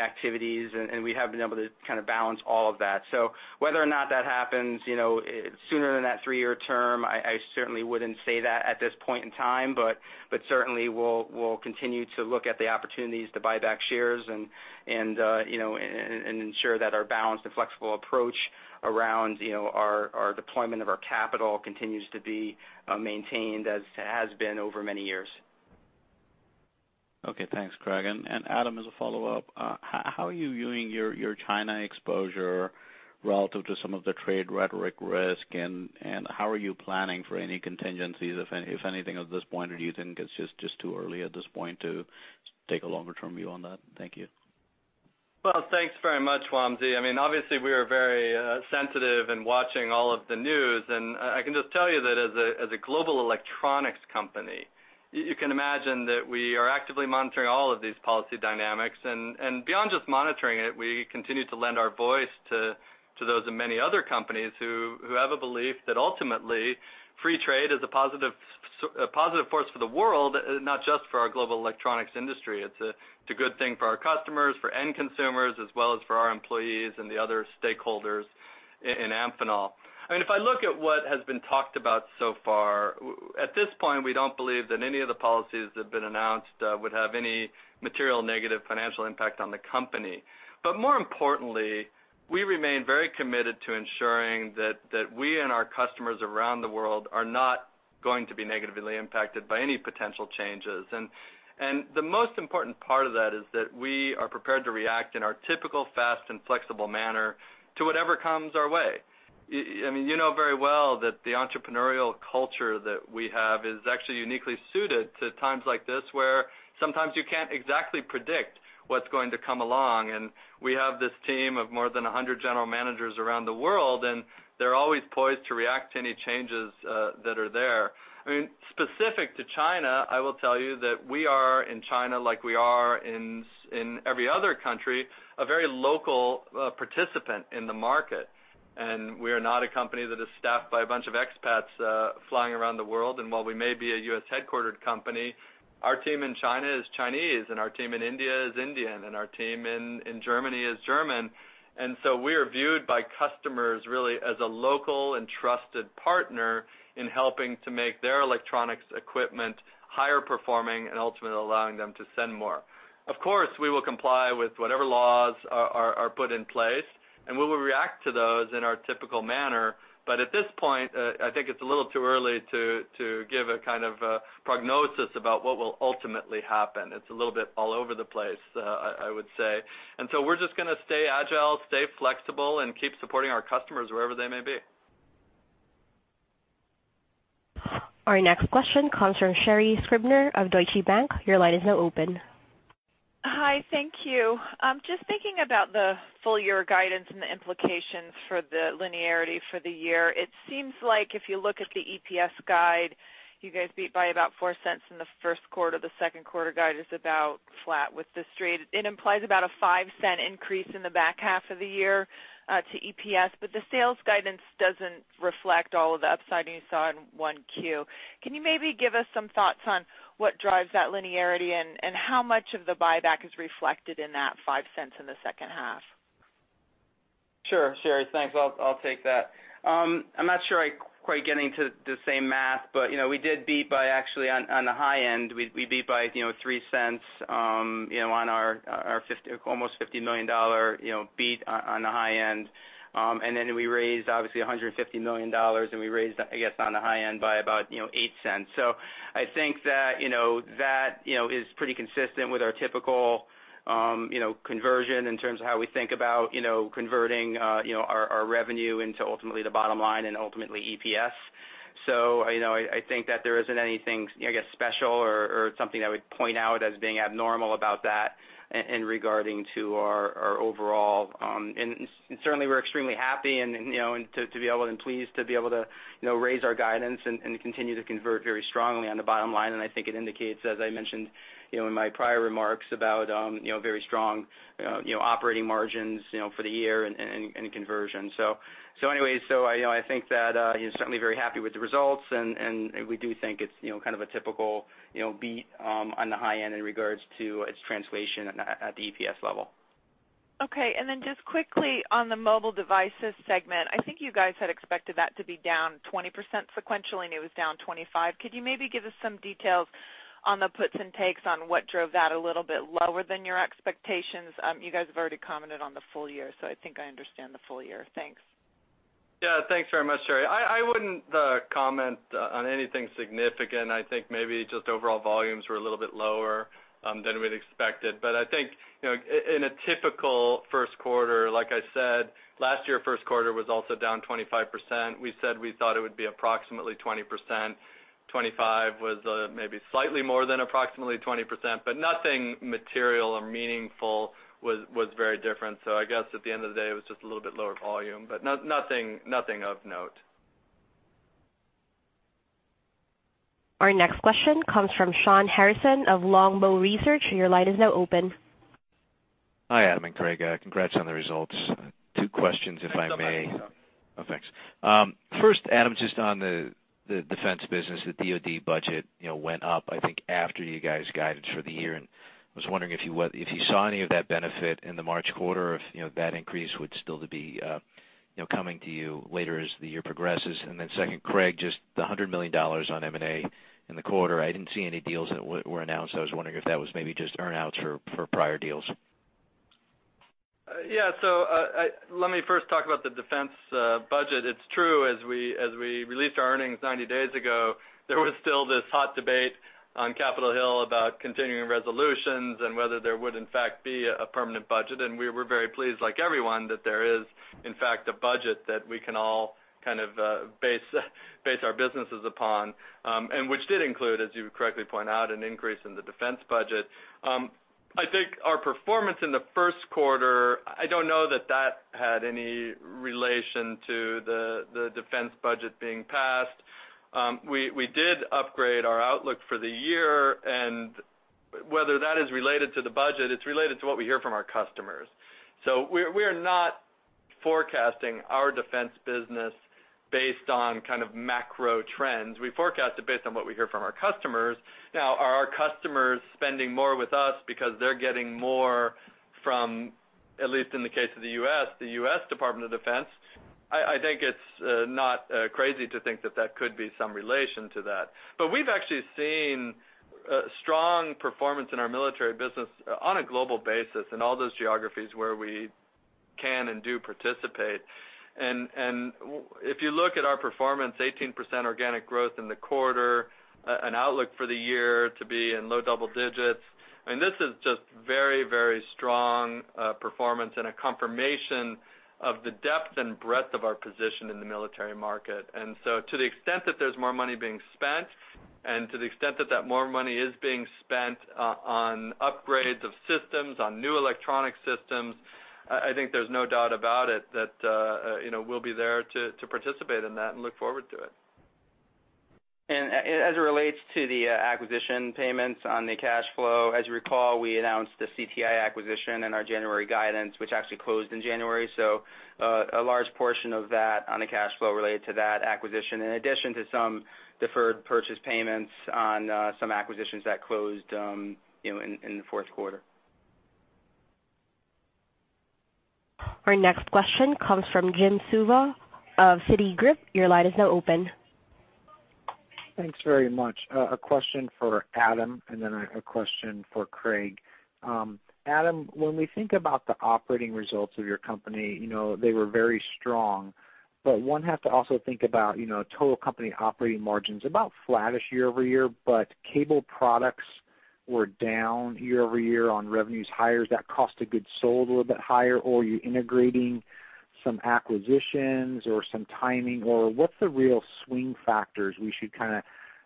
activities. We have been able to kind of balance all of that. So whether or not that happens sooner than that three-year term, I certainly wouldn't say that at this point in time. But certainly, we'll continue to look at the opportunities to buy back shares and ensure that our balanced and flexible approach around our deployment of our capital continues to be maintained as it has been over many years.
Okay. Thanks, Craig. And Adam, as a follow-up, how are you viewing your China exposure relative to some of the trade rhetoric risk? And how are you planning for any contingencies, if anything, at this point? Or do you think it's just too early at this point to take a longer-term view on that? Thank you.
Well, thanks very much, Wamsi. I mean, obviously, we are very sensitive and watching all of the news. I can just tell you that as a global electronics company, you can imagine that we are actively monitoring all of these policy dynamics. Beyond just monitoring it, we continue to lend our voice to those in many other companies who have a belief that ultimately, free trade is a positive force for the world, not just for our global electronics industry. It's a good thing for our customers, for end consumers, as well as for our employees and the other stakeholders in Amphenol. I mean, if I look at what has been talked about so far, at this point, we don't believe that any of the policies that have been announced would have any material negative financial impact on the company. But more importantly, we remain very committed to ensuring that we and our customers around the world are not going to be negatively impacted by any potential changes. And the most important part of that is that we are prepared to react in our typical, fast, and flexible manner to whatever comes our way. I mean, you know very well that the entrepreneurial culture that we have is actually uniquely suited to times like this where sometimes you can't exactly predict what's going to come along. And we have this team of more than 100 general managers around the world, and they're always poised to react to any changes that are there. I mean, specific to China, I will tell you that we are in China, like we are in every other country, a very local participant in the market. We are not a company that is staffed by a bunch of expats flying around the world. While we may be a US-headquartered company, our team in China is Chinese, and our team in India is Indian, and our team in Germany is German. So we are viewed by customers really as a local and trusted partner in helping to make their electronics equipment higher performing and ultimately allowing them to send more. Of course, we will comply with whatever laws are put in place, and we will react to those in our typical manner. At this point, I think it's a little too early to give a kind of prognosis about what will ultimately happen. It's a little bit all over the place, I would say. So we're just going to stay agile, stay flexible, and keep supporting our customers wherever they may be.
Our next question comes from Sherri Scribner of Deutsche Bank. Your line is now open.
Hi. Thank you. Just thinking about the full year guidance and the implications for the linearity for the year, it seems like if you look at the EPS guide, you guys beat by about $0.04 in the first quarter. The second quarter guide is about flat with the street. It implies about a $0.05 increase in the back half of the year to EPS. But the sales guidance doesn't reflect all of the upside you saw in 1Q. Can you maybe give us some thoughts on what drives that linearity and how much of the buyback is reflected in that $0.05 in the second half?
Sure. Sherri, thanks. I'll take that. I'm not sure I quite get into the same math, but we did beat by actually on the high end. We beat by $0.03 on our almost $50 million beat on the high end. And then we raised, obviously, $150 million, and we raised, I guess, on the high end by about $0.08. So I think that that is pretty consistent with our typical conversion in terms of how we think about converting our revenue into ultimately the bottom line and ultimately EPS. So I think that there isn't anything, I guess, special or something I would point out as being abnormal about that in regarding to our overall. And certainly, we're extremely happy and to be able and pleased to be able to raise our guidance and continue to convert very strongly on the bottomline. And I think it indicates, as I mentioned in my prior remarks about very strong operating margins for the year and conversion. So anyway, so I think that certainly very happy with the results. And we do think it's kind of a typical beat on the high end in regards to its translation at the EPS level.
Okay. And then just quickly on the mobile devices segment, I think you guys had expected that to be down 20% sequentially, and it was down 25. Could you maybe give us some details on the puts and takes on what drove that a little bit lower than your expectations? You guys have already commented on the full year, so I think I understand the full year. Thanks.
Yeah. Thanks very much, Sherri. I wouldn't comment on anything significant. I think maybe just overall volumes were a little bit lower than we'd expected. But I think in a typical first quarter, like I said, last year's first quarter was also down 25%. We said we thought it would be approximately 20%. 25% was maybe slightly more than approximately 20%, but nothing material or meaningful was very different. So I guess at the end of the day, it was just a little bit lower volume, but nothing of note.
Our next question comes from Shawn Harrison of Longbow Research. Your line is now open.
Hi, Adam and Craig. Congrats on the results. Two questions, if I may. Oh, thanks. Oh, thanks. First, Adam, just on the defense business, the DOD budget went up, I think, after you guys guided for the year. And I was wondering if you saw any of that benefit in the March quarter, if that increase would still be coming to you later as the year progresses. And then second, Craig, just the $100 million on M&A in the quarter, I didn't see any deals that were announced. I was wondering if that was maybe just earnouts for prior deals.
Yeah. So let me first talk about the defense budget. It's true. As we released our earnings 90 days ago, there was still this hot debate on Capitol Hill about continuing resolutions and whether there would, in fact, be a permanent budget. And we were very pleased, like everyone, that there is, in fact, a budget that we can all kind of base our businesses upon, which did include, as you correctly point out, an increase in the defense budget. I think our performance in the first quarter, I don't know that that had any relation to the defense budget being passed. We did upgrade our outlook for the year. Whether that is related to the budget, it's related to what we hear from our customers. We are not forecasting our defense business based on kind of macro trends. We forecast it based on what we hear from our customers. Now, are our customers spending more with us because they're getting more from, at least in the case of the U.S., the U.S. Department of Defense? I think it's not crazy to think that that could be some relation to that. But we've actually seen strong performance in our military business on a global basis in all those geographies where we can and do participate. And if you look at our performance, 18% organic growth in the quarter, an outlook for the year to be in low double-digits. I mean, this is just very, very strong performance and a confirmation of the depth and breadth of our position in the military market. And so to the extent that there's more money being spent and to the extent that that more money is being spent on upgrades of systems, on new electronic systems, I think there's no doubt about it that we'll be there to participate in that and look forward to it.
And as it relates to the acquisition payments on the cash flow, as you recall, we announced the CTI acquisition in our January guidance, which actually closed in January. So a large portion of that on the cash flow related to that acquisition, in addition to some deferred purchase payments on some acquisitions that closed in the fourth quarter.
Our next question comes from Jim Suva of Citigroup. Your line is now open. Thanks very much.
A question for Adam and then a question for Craig. Adam, when we think about the operating results of your company, they were very strong. But one has to also think about total company operating margins. About flattish year-over-year, but cable products were down year-over-year on revenues higher. Is that cost of goods sold a little bit higher? Or are you integrating some acquisitions or some timing? Or what's the real swing factors we should kind of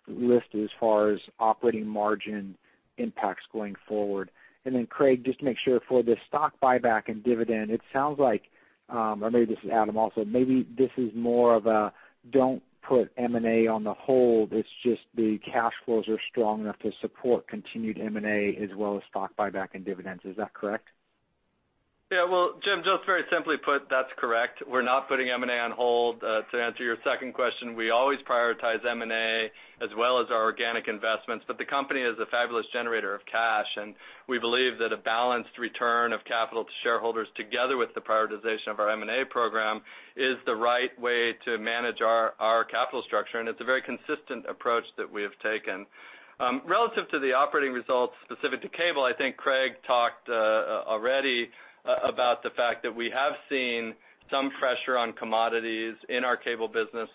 list as far as operating margin impacts going forward? And then Craig, just to make sure for the stock buyback and dividend, it sounds like, or maybe this is Adam also, maybe this is more of a don't put M&A on the hold. It's just the cash flows are strong enough to support continued M&A as well as stock buyback and dividends. Is that correct?
Yeah. Well, Jim, just very simply put, that's correct. We're not putting M&A on hold. To answer your second question, we always prioritize M&A as well as our organic investments. But the company is a fabulous generator of cash. And we believe that a balanced return of capital to shareholders together with the prioritization of our M&A program is the right way to manage our capital structure. And it's a very consistent approach that we have taken. Relative to the operating results specific to cable, I think Craig talked already about the fact that we have seen some pressure on commodities in our cable business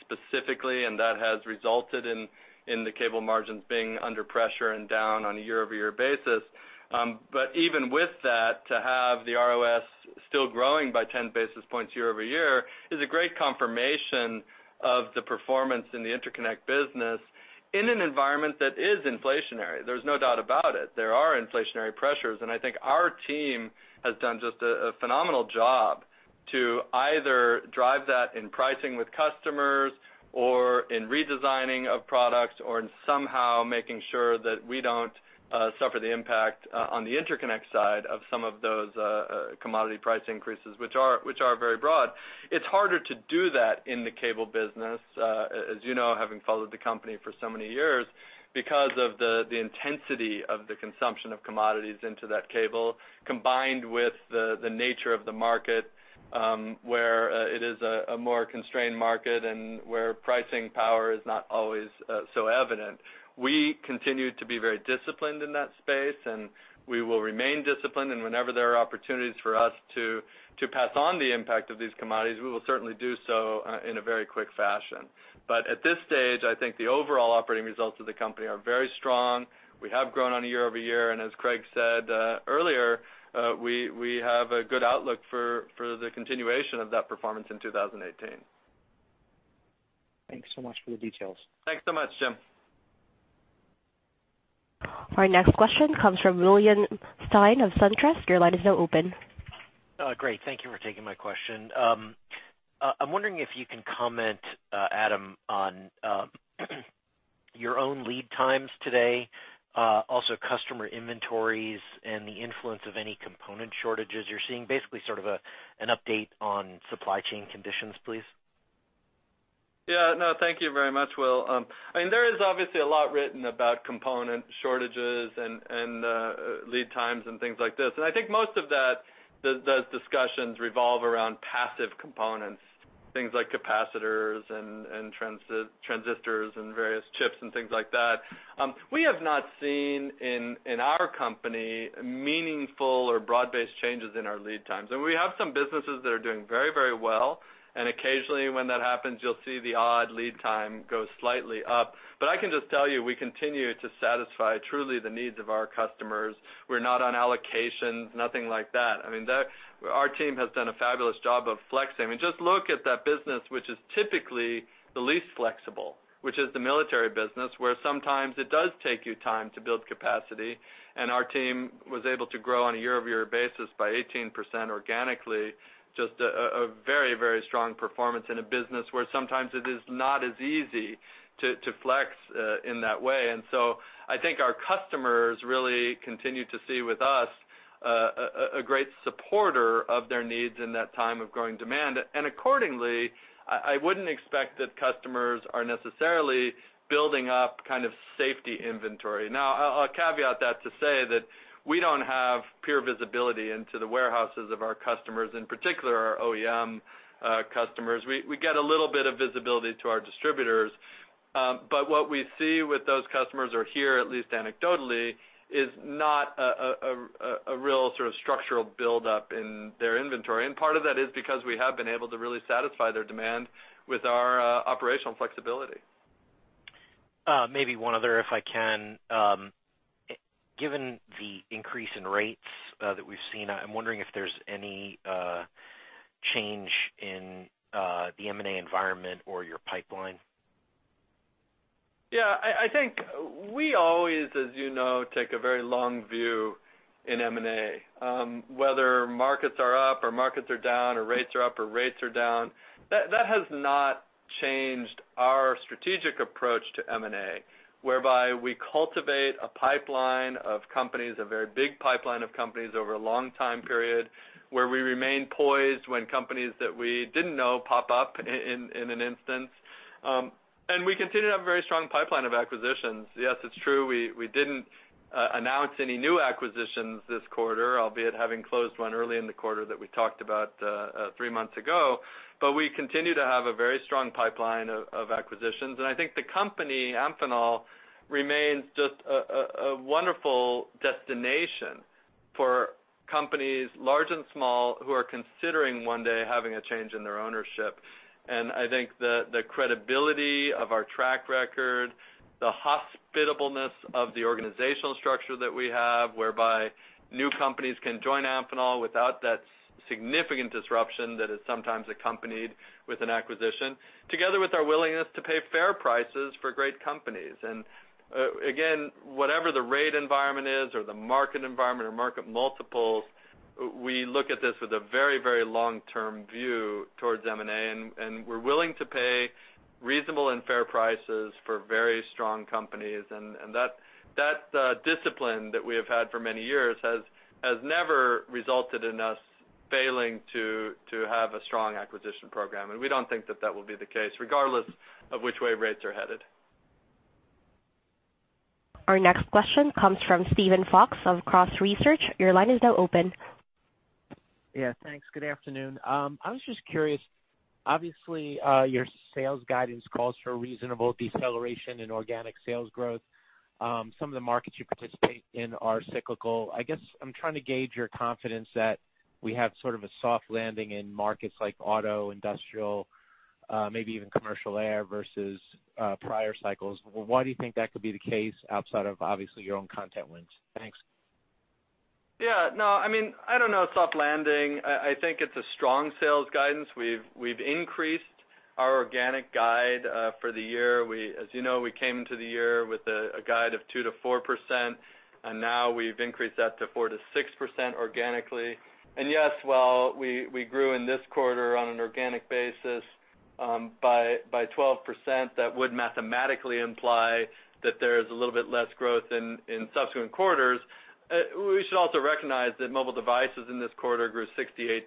specifically. And that has resulted in the cable margins being under pressure and down on a year-over-year basis. But even with that, to have the ROS still growing by 10 basis points year-over-year is a great confirmation of the performance in the Interconnect business in an environment that is inflationary. There's no doubt about it. There are inflationary pressures. And I think our team has done just a phenomenal job to either drive that in pricing with customers or in redesigning of products or in somehow making sure that we don't suffer the impact on the Interconnect side of some of those commodity price increases, which are very broad. It's harder to do that in the cable business, as you know, having followed the company for so many years because of the intensity of the consumption of commodities into that cable combined with the nature of the market where it is a more constrained market and where pricing power is not always so evident. We continue to be very disciplined in that space, and we will remain disciplined. Whenever there are opportunities for us to pass on the impact of these commodities, we will certainly do so in a very quick fashion. But at this stage, I think the overall operating results of the company are very strong. We have grown on a year-over-year. As Craig said earlier, we have a good outlook for the continuation of that performance in 2018.
Thanks so much for the details.
Thanks so much, Jim.
Our next question comes from William Stein of SunTrust. Your line is now open. Great.
Thank you for taking my question. I'm wondering if you can comment, Adam, on your own lead times today, also customer inventories and the influence of any component shortages you're seeing. Basically, sort of an update on supply chain conditions, please.
Yeah. No, thank you very much, Will. I mean, there is obviously a lot written about component shortages and lead times and things like this. I think most of those discussions revolve around passive components, things like capacitors and transistors and various chips and things like that. We have not seen in our company meaningful or broad-based changes in our lead times. We have some businesses that are doing very, very well. Occasionally when that happens, you'll see the odd lead time go slightly up. But I can just tell you we continue to satisfy truly the needs of our customers. We're not on allocations, nothing like that. I mean, our team has done a fabulous job of flexing. I mean, just look at that business, which is typically the least flexible, which is the military business, where sometimes it does take you time to build capacity. And our team was able to grow on a year-over-year basis by 18% organically, just a very, very strong performance in a business where sometimes it is not as easy to flex in that way. And so I think our customers really continue to see with us a great supporter of their needs in that time of growing demand. And accordingly, I wouldn't expect that customers are necessarily building up kind of safety inventory. Now, I'll caveat that to say that we don't have pure visibility into the warehouses of our customers, in particular our OEM customers. We get a little bit of visibility to our distributors. But what we see with those customers or hear, at least anecdotally, is not a real sort of structural build-up in their inventory. And part of that is because we have been able to really satisfy their demand with our operational flexibility. Maybe one other, if I can. Given the increase in rates that we've seen, I'm wondering if there's any change in the M&A environment or your pipeline. Yeah. I think we always, as you know, take a very long view in M&A. Whether markets are up or markets are down or rates are up or rates are down, that has not changed our strategic approach to M&A, whereby we cultivate a pipeline of companies, a very big pipeline of companies over a long time period where we remain poised when companies that we didn't know pop up in an instance. And we continue to have a very strong pipeline of acquisitions. Yes, it's true. We didn't announce any new acquisitions this quarter, albeit having closed one early in the quarter that we talked about three months ago. But we continue to have a very strong pipeline of acquisitions. I think the company, Amphenol, remains just a wonderful destination for companies large and small who are considering one day having a change in their ownership. I think the credibility of our track record, the hospitableness of the organizational structure that we have, whereby new companies can join Amphenol without that significant disruption that is sometimes accompanied with an acquisition, together with our willingness to pay fair prices for great companies. Again, whatever the rate environment is or the market environment or market multiples, we look at this with a very, very long-term view towards M&A. We're willing to pay reasonable and fair prices for very strong companies. That discipline that we have had for many years has never resulted in us failing to have a strong acquisition program. And we don't think that that will be the case, regardless of which way rates are headed.
Our next question comes from Steven Fox of Cross Research. Your line is now open.
Yeah. Thanks. Good afternoon. I was just curious. Obviously, your sales guidance calls for reasonable deceleration in organic sales growth. Some of the markets you participate in are cyclical. I guess I'm trying to gauge your confidence that we have sort of a soft landing in markets like auto, industrial, maybe even commercial air versus prior cycles. Why do you think that could be the case outside of, obviously, your own content wins?
Thanks. Yeah. No. I mean, I don't know a soft landing. I think it's a strong sales guidance. We've increased our organic guide for the year. As you know, we came into the year with a guide of 2%-4%. Now we've increased that to 4%-6% organically. Yes, while we grew in this quarter on an organic basis by 12%, that would mathematically imply that there is a little bit less growth in subsequent quarters. We should also recognize that mobile devices in this quarter grew 68%,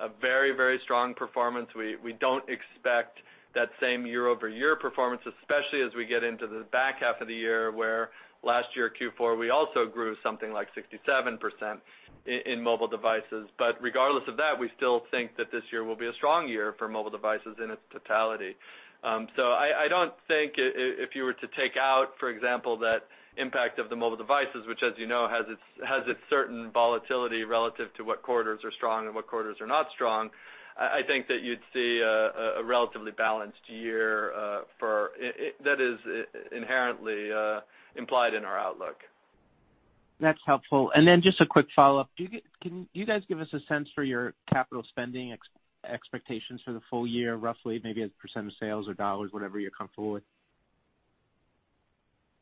a very, very strong performance. We don't expect that same year-over-year performance, especially as we get into the back half of the year where last year, Q4, we also grew something like 67% in mobile devices. But regardless of that, we still think that this year will be a strong year for mobile devices in its totality. So I don't think if you were to take out, for example, that impact of the mobile devices, which, as you know, has its certain volatility relative to what quarters are strong and what quarters are not strong, I think that you'd see a relatively balanced year that is inherently implied in our outlook.
That's helpful. And then just a quick follow-up. Can you guys give us a sense for your capital spending expectations for the full year, roughly, maybe as percent of sales or dollars, whatever you're comfortable with?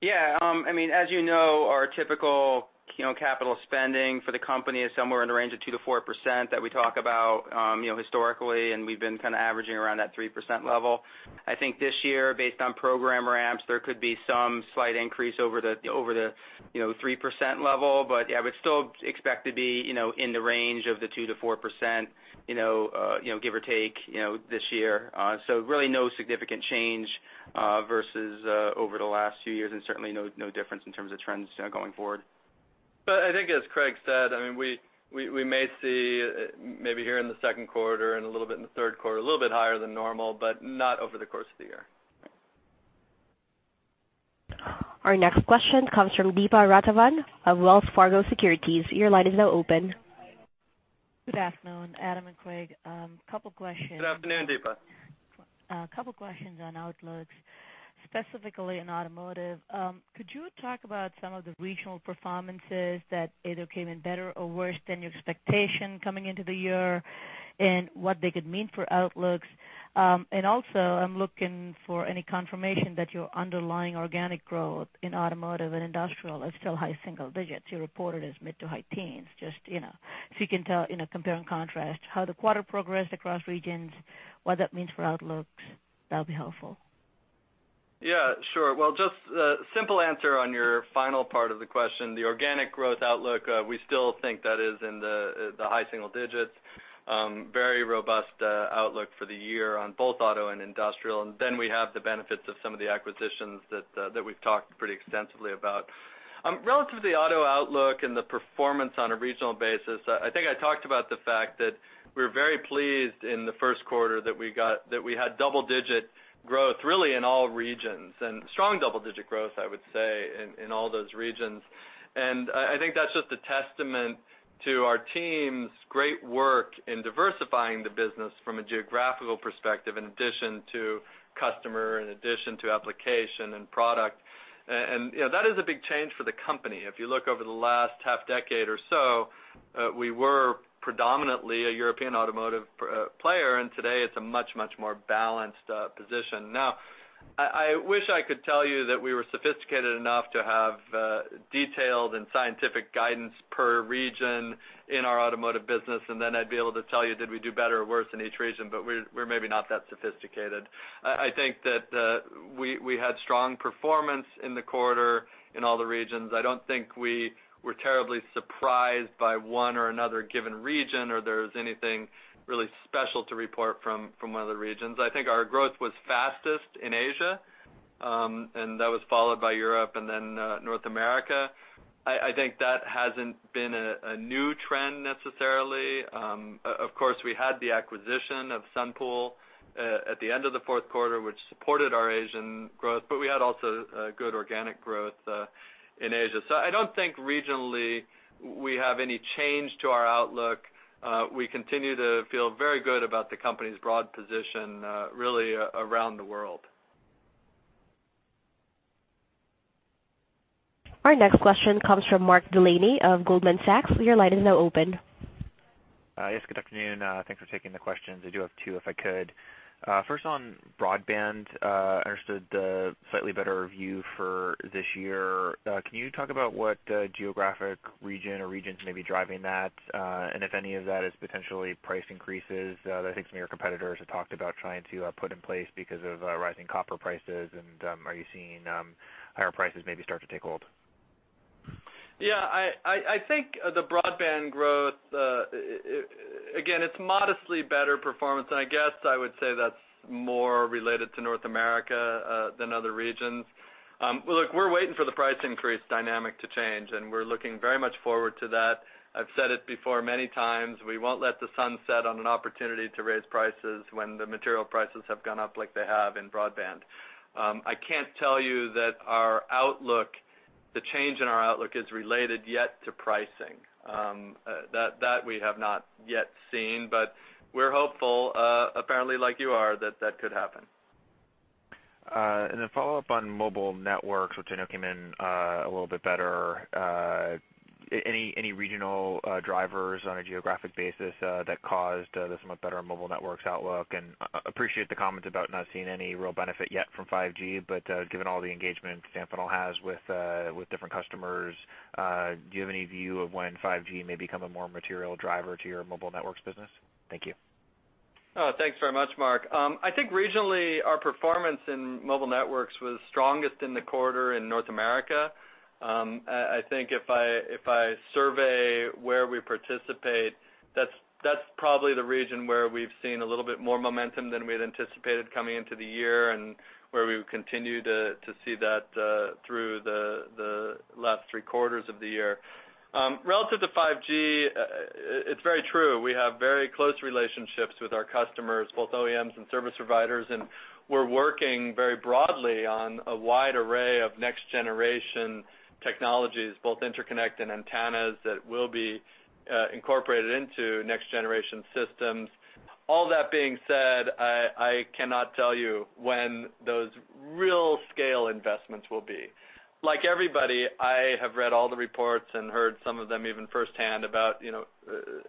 Yeah. I mean, as you know, our typical capital spending for the company is somewhere in the range of 2%-4% that we talk about historically. And we've been kind of averaging around that 3% level. I think this year, based on program ramps, there could be some slight increase over the 3% level. But yeah, we'd still expect to be in the range of the 2%-4%, give or take, this year. So really no significant change versus over the last few years. And certainly no difference in terms of trends going forward. But I think, as Craig said, I mean, we may see maybe here in the second quarter and a little bit in the third quarter, a little bit higher than normal, but not over the course of the year.
Our next question comes from Deepa Raghavan of Wells Fargo Securities. Your line is now open. Good afternoon, Adam and Craig.
A couple of questions.
Good afternoon, Deepa.
A couple of questions on outlooks, specifically in automotive. Could you talk about some of the regional performances that either came in better or worse than your expectation coming into the year and what they could mean for outlooks? And also, I'm looking for any confirmation that your underlying organic growth in automotive and industrial is still high single digits. You reported as mid to high teens. Just if you can tell, compare and contrast how the quarter progressed across regions, what that means for outlooks, that would be helpful.
Yeah. Sure. Well, just a simple answer on your final part of the question. The organic growth outlook, we still think that is in the high single digits, very robust outlook for the year on both auto and industrial. And then we have the benefits of some of the acquisitions that we've talked pretty extensively about. Relatively, auto outlook and the performance on a regional basis, I think I talked about the fact that we were very pleased in the first quarter that we had double-digit growth, really in all regions, and strong double-digit growth, I would say, in all those regions. I think that's just a testament to our team's great work in diversifying the business from a geographical perspective in addition to customer, in addition to application and product. That is a big change for the company. If you look over the last half-decade or so, we were predominantly a European automotive player. Today, it's a much, much more balanced position. Now, I wish I could tell you that we were sophisticated enough to have detailed and scientific guidance per region in our automotive business. And then I'd be able to tell you, did we do better or worse in each region? But we're maybe not that sophisticated. I think that we had strong performance in the quarter in all the regions. I don't think we were terribly surprised by one or another given region or there was anything really special to report from one of the regions. I think our growth was fastest in Asia, and that was followed by Europe and then North America. I think that hasn't been a new trend necessarily. Of course, we had the acquisition of Sunpool at the end of the fourth quarter, which supported our Asian growth. But we had also good organic growth in Asia. So I don't think regionally we have any change to our outlook. We continue to feel very good about the company's broad position, really, around the world.
Our next question comes from Mark Delaney of Goldman Sachs. Your line is now open.
Yes. Good afternoon. Thanks for taking the questions. I do have two if I could. First, on broadband, I understood the slightly better view for this year. Can you talk about what geographic region or regions may be driving that? And if any of that is potentially price increases that I think some of your competitors have talked about trying to put in place because of rising copper prices? And are you seeing higher prices maybe start to take hold?
Yeah. I think the broadband growth, again, it's modestly better performance. And I guess I would say that's more related to North America than other regions. Well, look, we're waiting for the price increase dynamic to change. And we're looking very much forward to that. I've said it before many times. We won't let the sun set on an opportunity to raise prices when the material prices have gone up like they have in broadband. I can't tell you that the change in our outlook is related yet to pricing. That we have not yet seen. But we're hopeful, apparently like you are, that that could happen.
And then follow-up on mobile networks, which I know came in a little bit better. Any regional drivers on a geographic basis that caused this much better mobile networks outlook? And I appreciate the comments about not seeing any real benefit yet from 5G. But given all the engagement Amphenol has with different customers, do you have any view of when 5G may become a more material driver to your mobile networks business? Thank you.
Thanks very much, Mark. I think regionally, our performance in mobile networks was strongest in the quarter in North America. I think if I survey where we participate, that's probably the region where we've seen a little bit more momentum than we had anticipated coming into the year and where we continue to see that through the last three quarters of the year. Relative to 5G, it's very true. We have very close relationships with our customers, both OEMs and service providers. And we're working very broadly on a wide array of next-generation technologies, both interconnect and antennas, that will be incorporated into next-generation systems. All that being said, I cannot tell you when those real-scale investments will be. Like everybody, I have read all the reports and heard some of them even firsthand about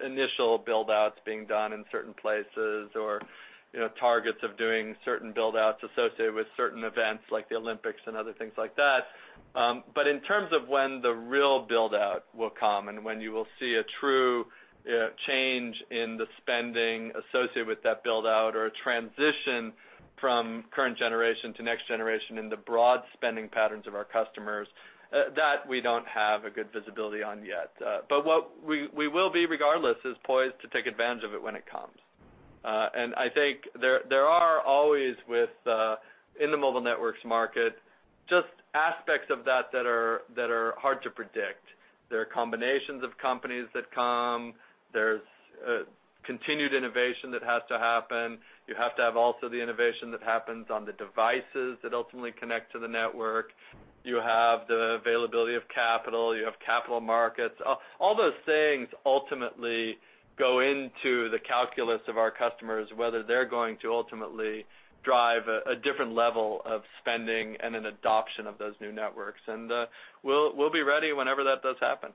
initial build-outs being done in certain places or targets of doing certain build-outs associated with certain events like the Olympics and other things like that. But in terms of when the real build-out will come and when you will see a true change in the spending associated with that build-out or a transition from current generation to next generation in the broad spending patterns of our customers, that we don't have a good visibility on yet. But what we will be, regardless, is poised to take advantage of it when it comes. And I think there are always, in the mobile networks market, just aspects of that that are hard to predict. There are combinations of companies that come. There's continued innovation that has to happen. You have to have also the innovation that happens on the devices that ultimately connect to the network. You have the availability of capital. You have capital markets. All those things ultimately go into the calculus of our customers, whether they're going to ultimately drive a different level of spending and an adoption of those new networks. And we'll be ready whenever that does happen.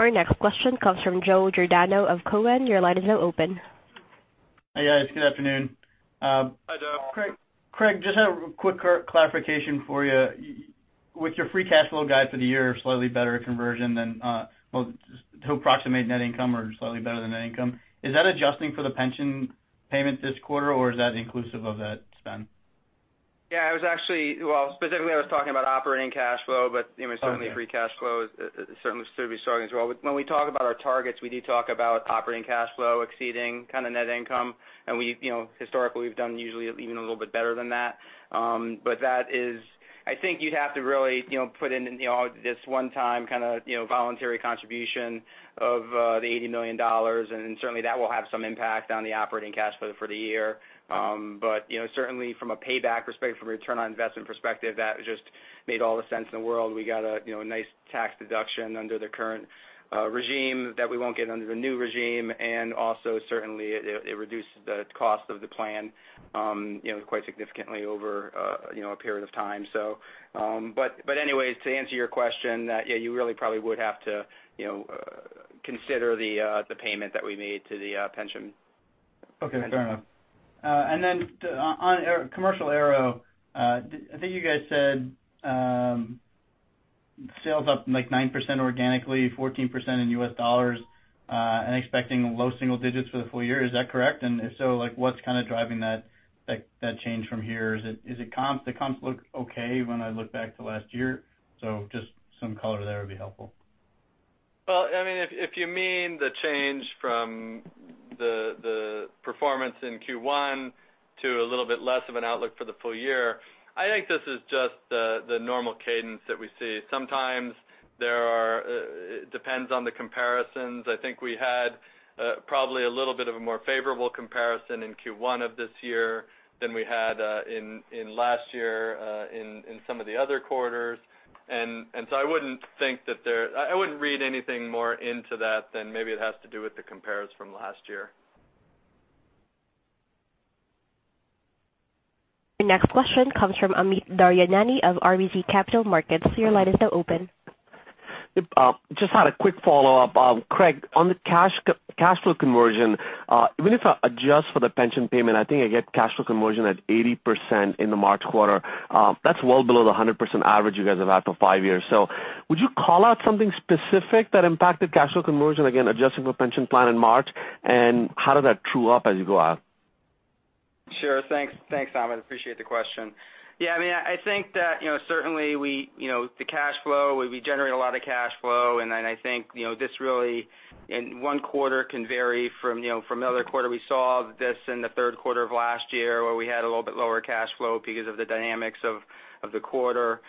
Our next question comes from Joe Giordano of Cowen. Your line is now open.
Hey, guys. Good afternoon.
Hi, Joe.
Craig, just a quick clarification for you. With your free cash flow guide for the year, slightly better conversion than we'll approximate net income or slightly better than net income. Is that adjusting for the pension payment this quarter, or is that inclusive of that spend?
Yeah. Well, specifically, I was talking about operating cash flow. But certainly, free cash flow certainly should be strong as well. When we talk about our targets, we do talk about operating cash flow exceeding kind of net income. And historically, we've done usually even a little bit better than that. But I think you'd have to really put in this one-time kind of voluntary contribution of the $80 million. And certainly, that will have some impact on the operating cash flow for the year. But certainly, from a payback perspective, from a return on investment perspective, that just made all the sense in the world. We got a nice tax deduction under the current regime that we won't get under the new regime. And also, certainly, it reduced the cost of the plan quite significantly over a period of time. Anyways, to answer your question, yeah, you really probably would have to consider the payment that we made to the pension.
Okay. Fair enough. Then on commercial aero, I think you guys said sales up like 9% organically, 14% in US dollars, and expecting low single digits for the full year. Is that correct? If so, what's kind of driving that change from here? Is it comps? The comps look okay when I look back to last year. Just some color there would be helpful.
Well, I mean, if you mean the change from the performance in Q1 to a little bit less of an outlook for the full year, I think this is just the normal cadence that we see. Sometimes it depends on the comparisons. I think we had probably a little bit of a more favorable comparison in Q1 of this year than we had in last year in some of the other quarters. And so I wouldn't think that there I wouldn't read anything more into that than maybe it has to do with the comparison from last year.
Our next question comes from Amit Daryanani of RBC Capital Markets. Your line is now open.
Just had a quick follow-up. Craig, on the cash flow conversion, even if I adjust for the pension payment, I think I get cash flow conversion at 80% in the March quarter. That's well below the 100% average you guys have had for five years. So would you call out something specific that impacted cash flow conversion, again, adjusting for pension plan in March? And how did that true up as you go out?
Sure. Thanks, Amit. I appreciate the question. Yeah. I mean, I think that certainly the cash flow, we generate a lot of cash flow. And then I think this really, in one quarter, can vary from another quarter. We saw this in the third quarter of last year where we had a little bit lower cash flow because of the dynamics of the quarter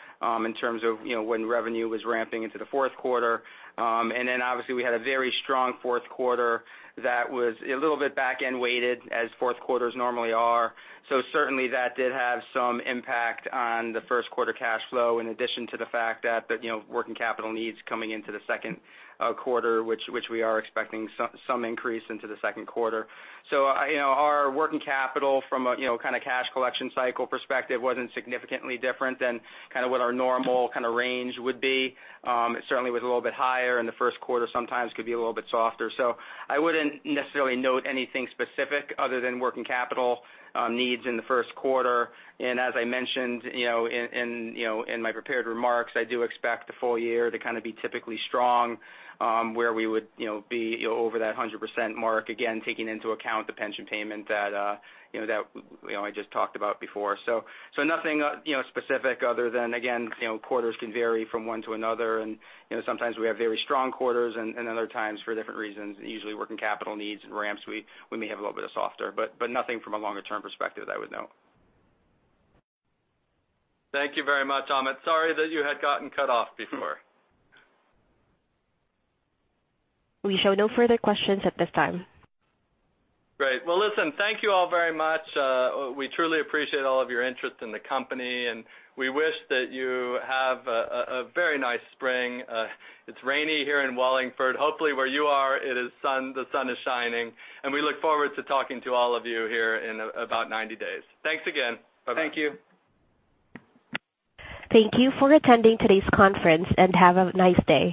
in terms of when revenue was ramping into the fourth quarter. And then, obviously, we had a very strong fourth quarter that was a little bit back-end weighted, as fourth quarters normally are. So certainly, that did have some impact on the first quarter cash flow in addition to the fact that working capital needs coming into the second quarter, which we are expecting some increase into the second quarter. So, our working capital, from a kind of cash collection cycle perspective, wasn't significantly different than kind of what our normal kind of range would be. It certainly was a little bit higher in the first quarter. Sometimes it could be a little bit softer. I wouldn't necessarily note anything specific other than working capital needs in the first quarter. As I mentioned in my prepared remarks, I do expect the full year to kind of be typically strong, where we would be over that 100% mark, again, taking into account the pension payment that I just talked about before. Nothing specific other than, again, quarters can vary from one to another. Sometimes we have very strong quarters, and other times, for different reasons, usually working capital needs and ramps, we may have a little bit of softer. But nothing from a longer-term perspective that I would note.
Thank you very much, Amit. Sorry that you had gotten cut off before.
We show no further questions at this time.
Great. Well, listen, thank you all very much. We truly appreciate all of your interest in the company. We wish that you have a very nice spring. It's rainy here in Wallingford. Hopefully, where you are, the sun is shining. We look forward to talking to all of you here in about 90 days. Thanks again. Bye-bye. Thank you.
Thank you for attending today's conference. Have a nice day.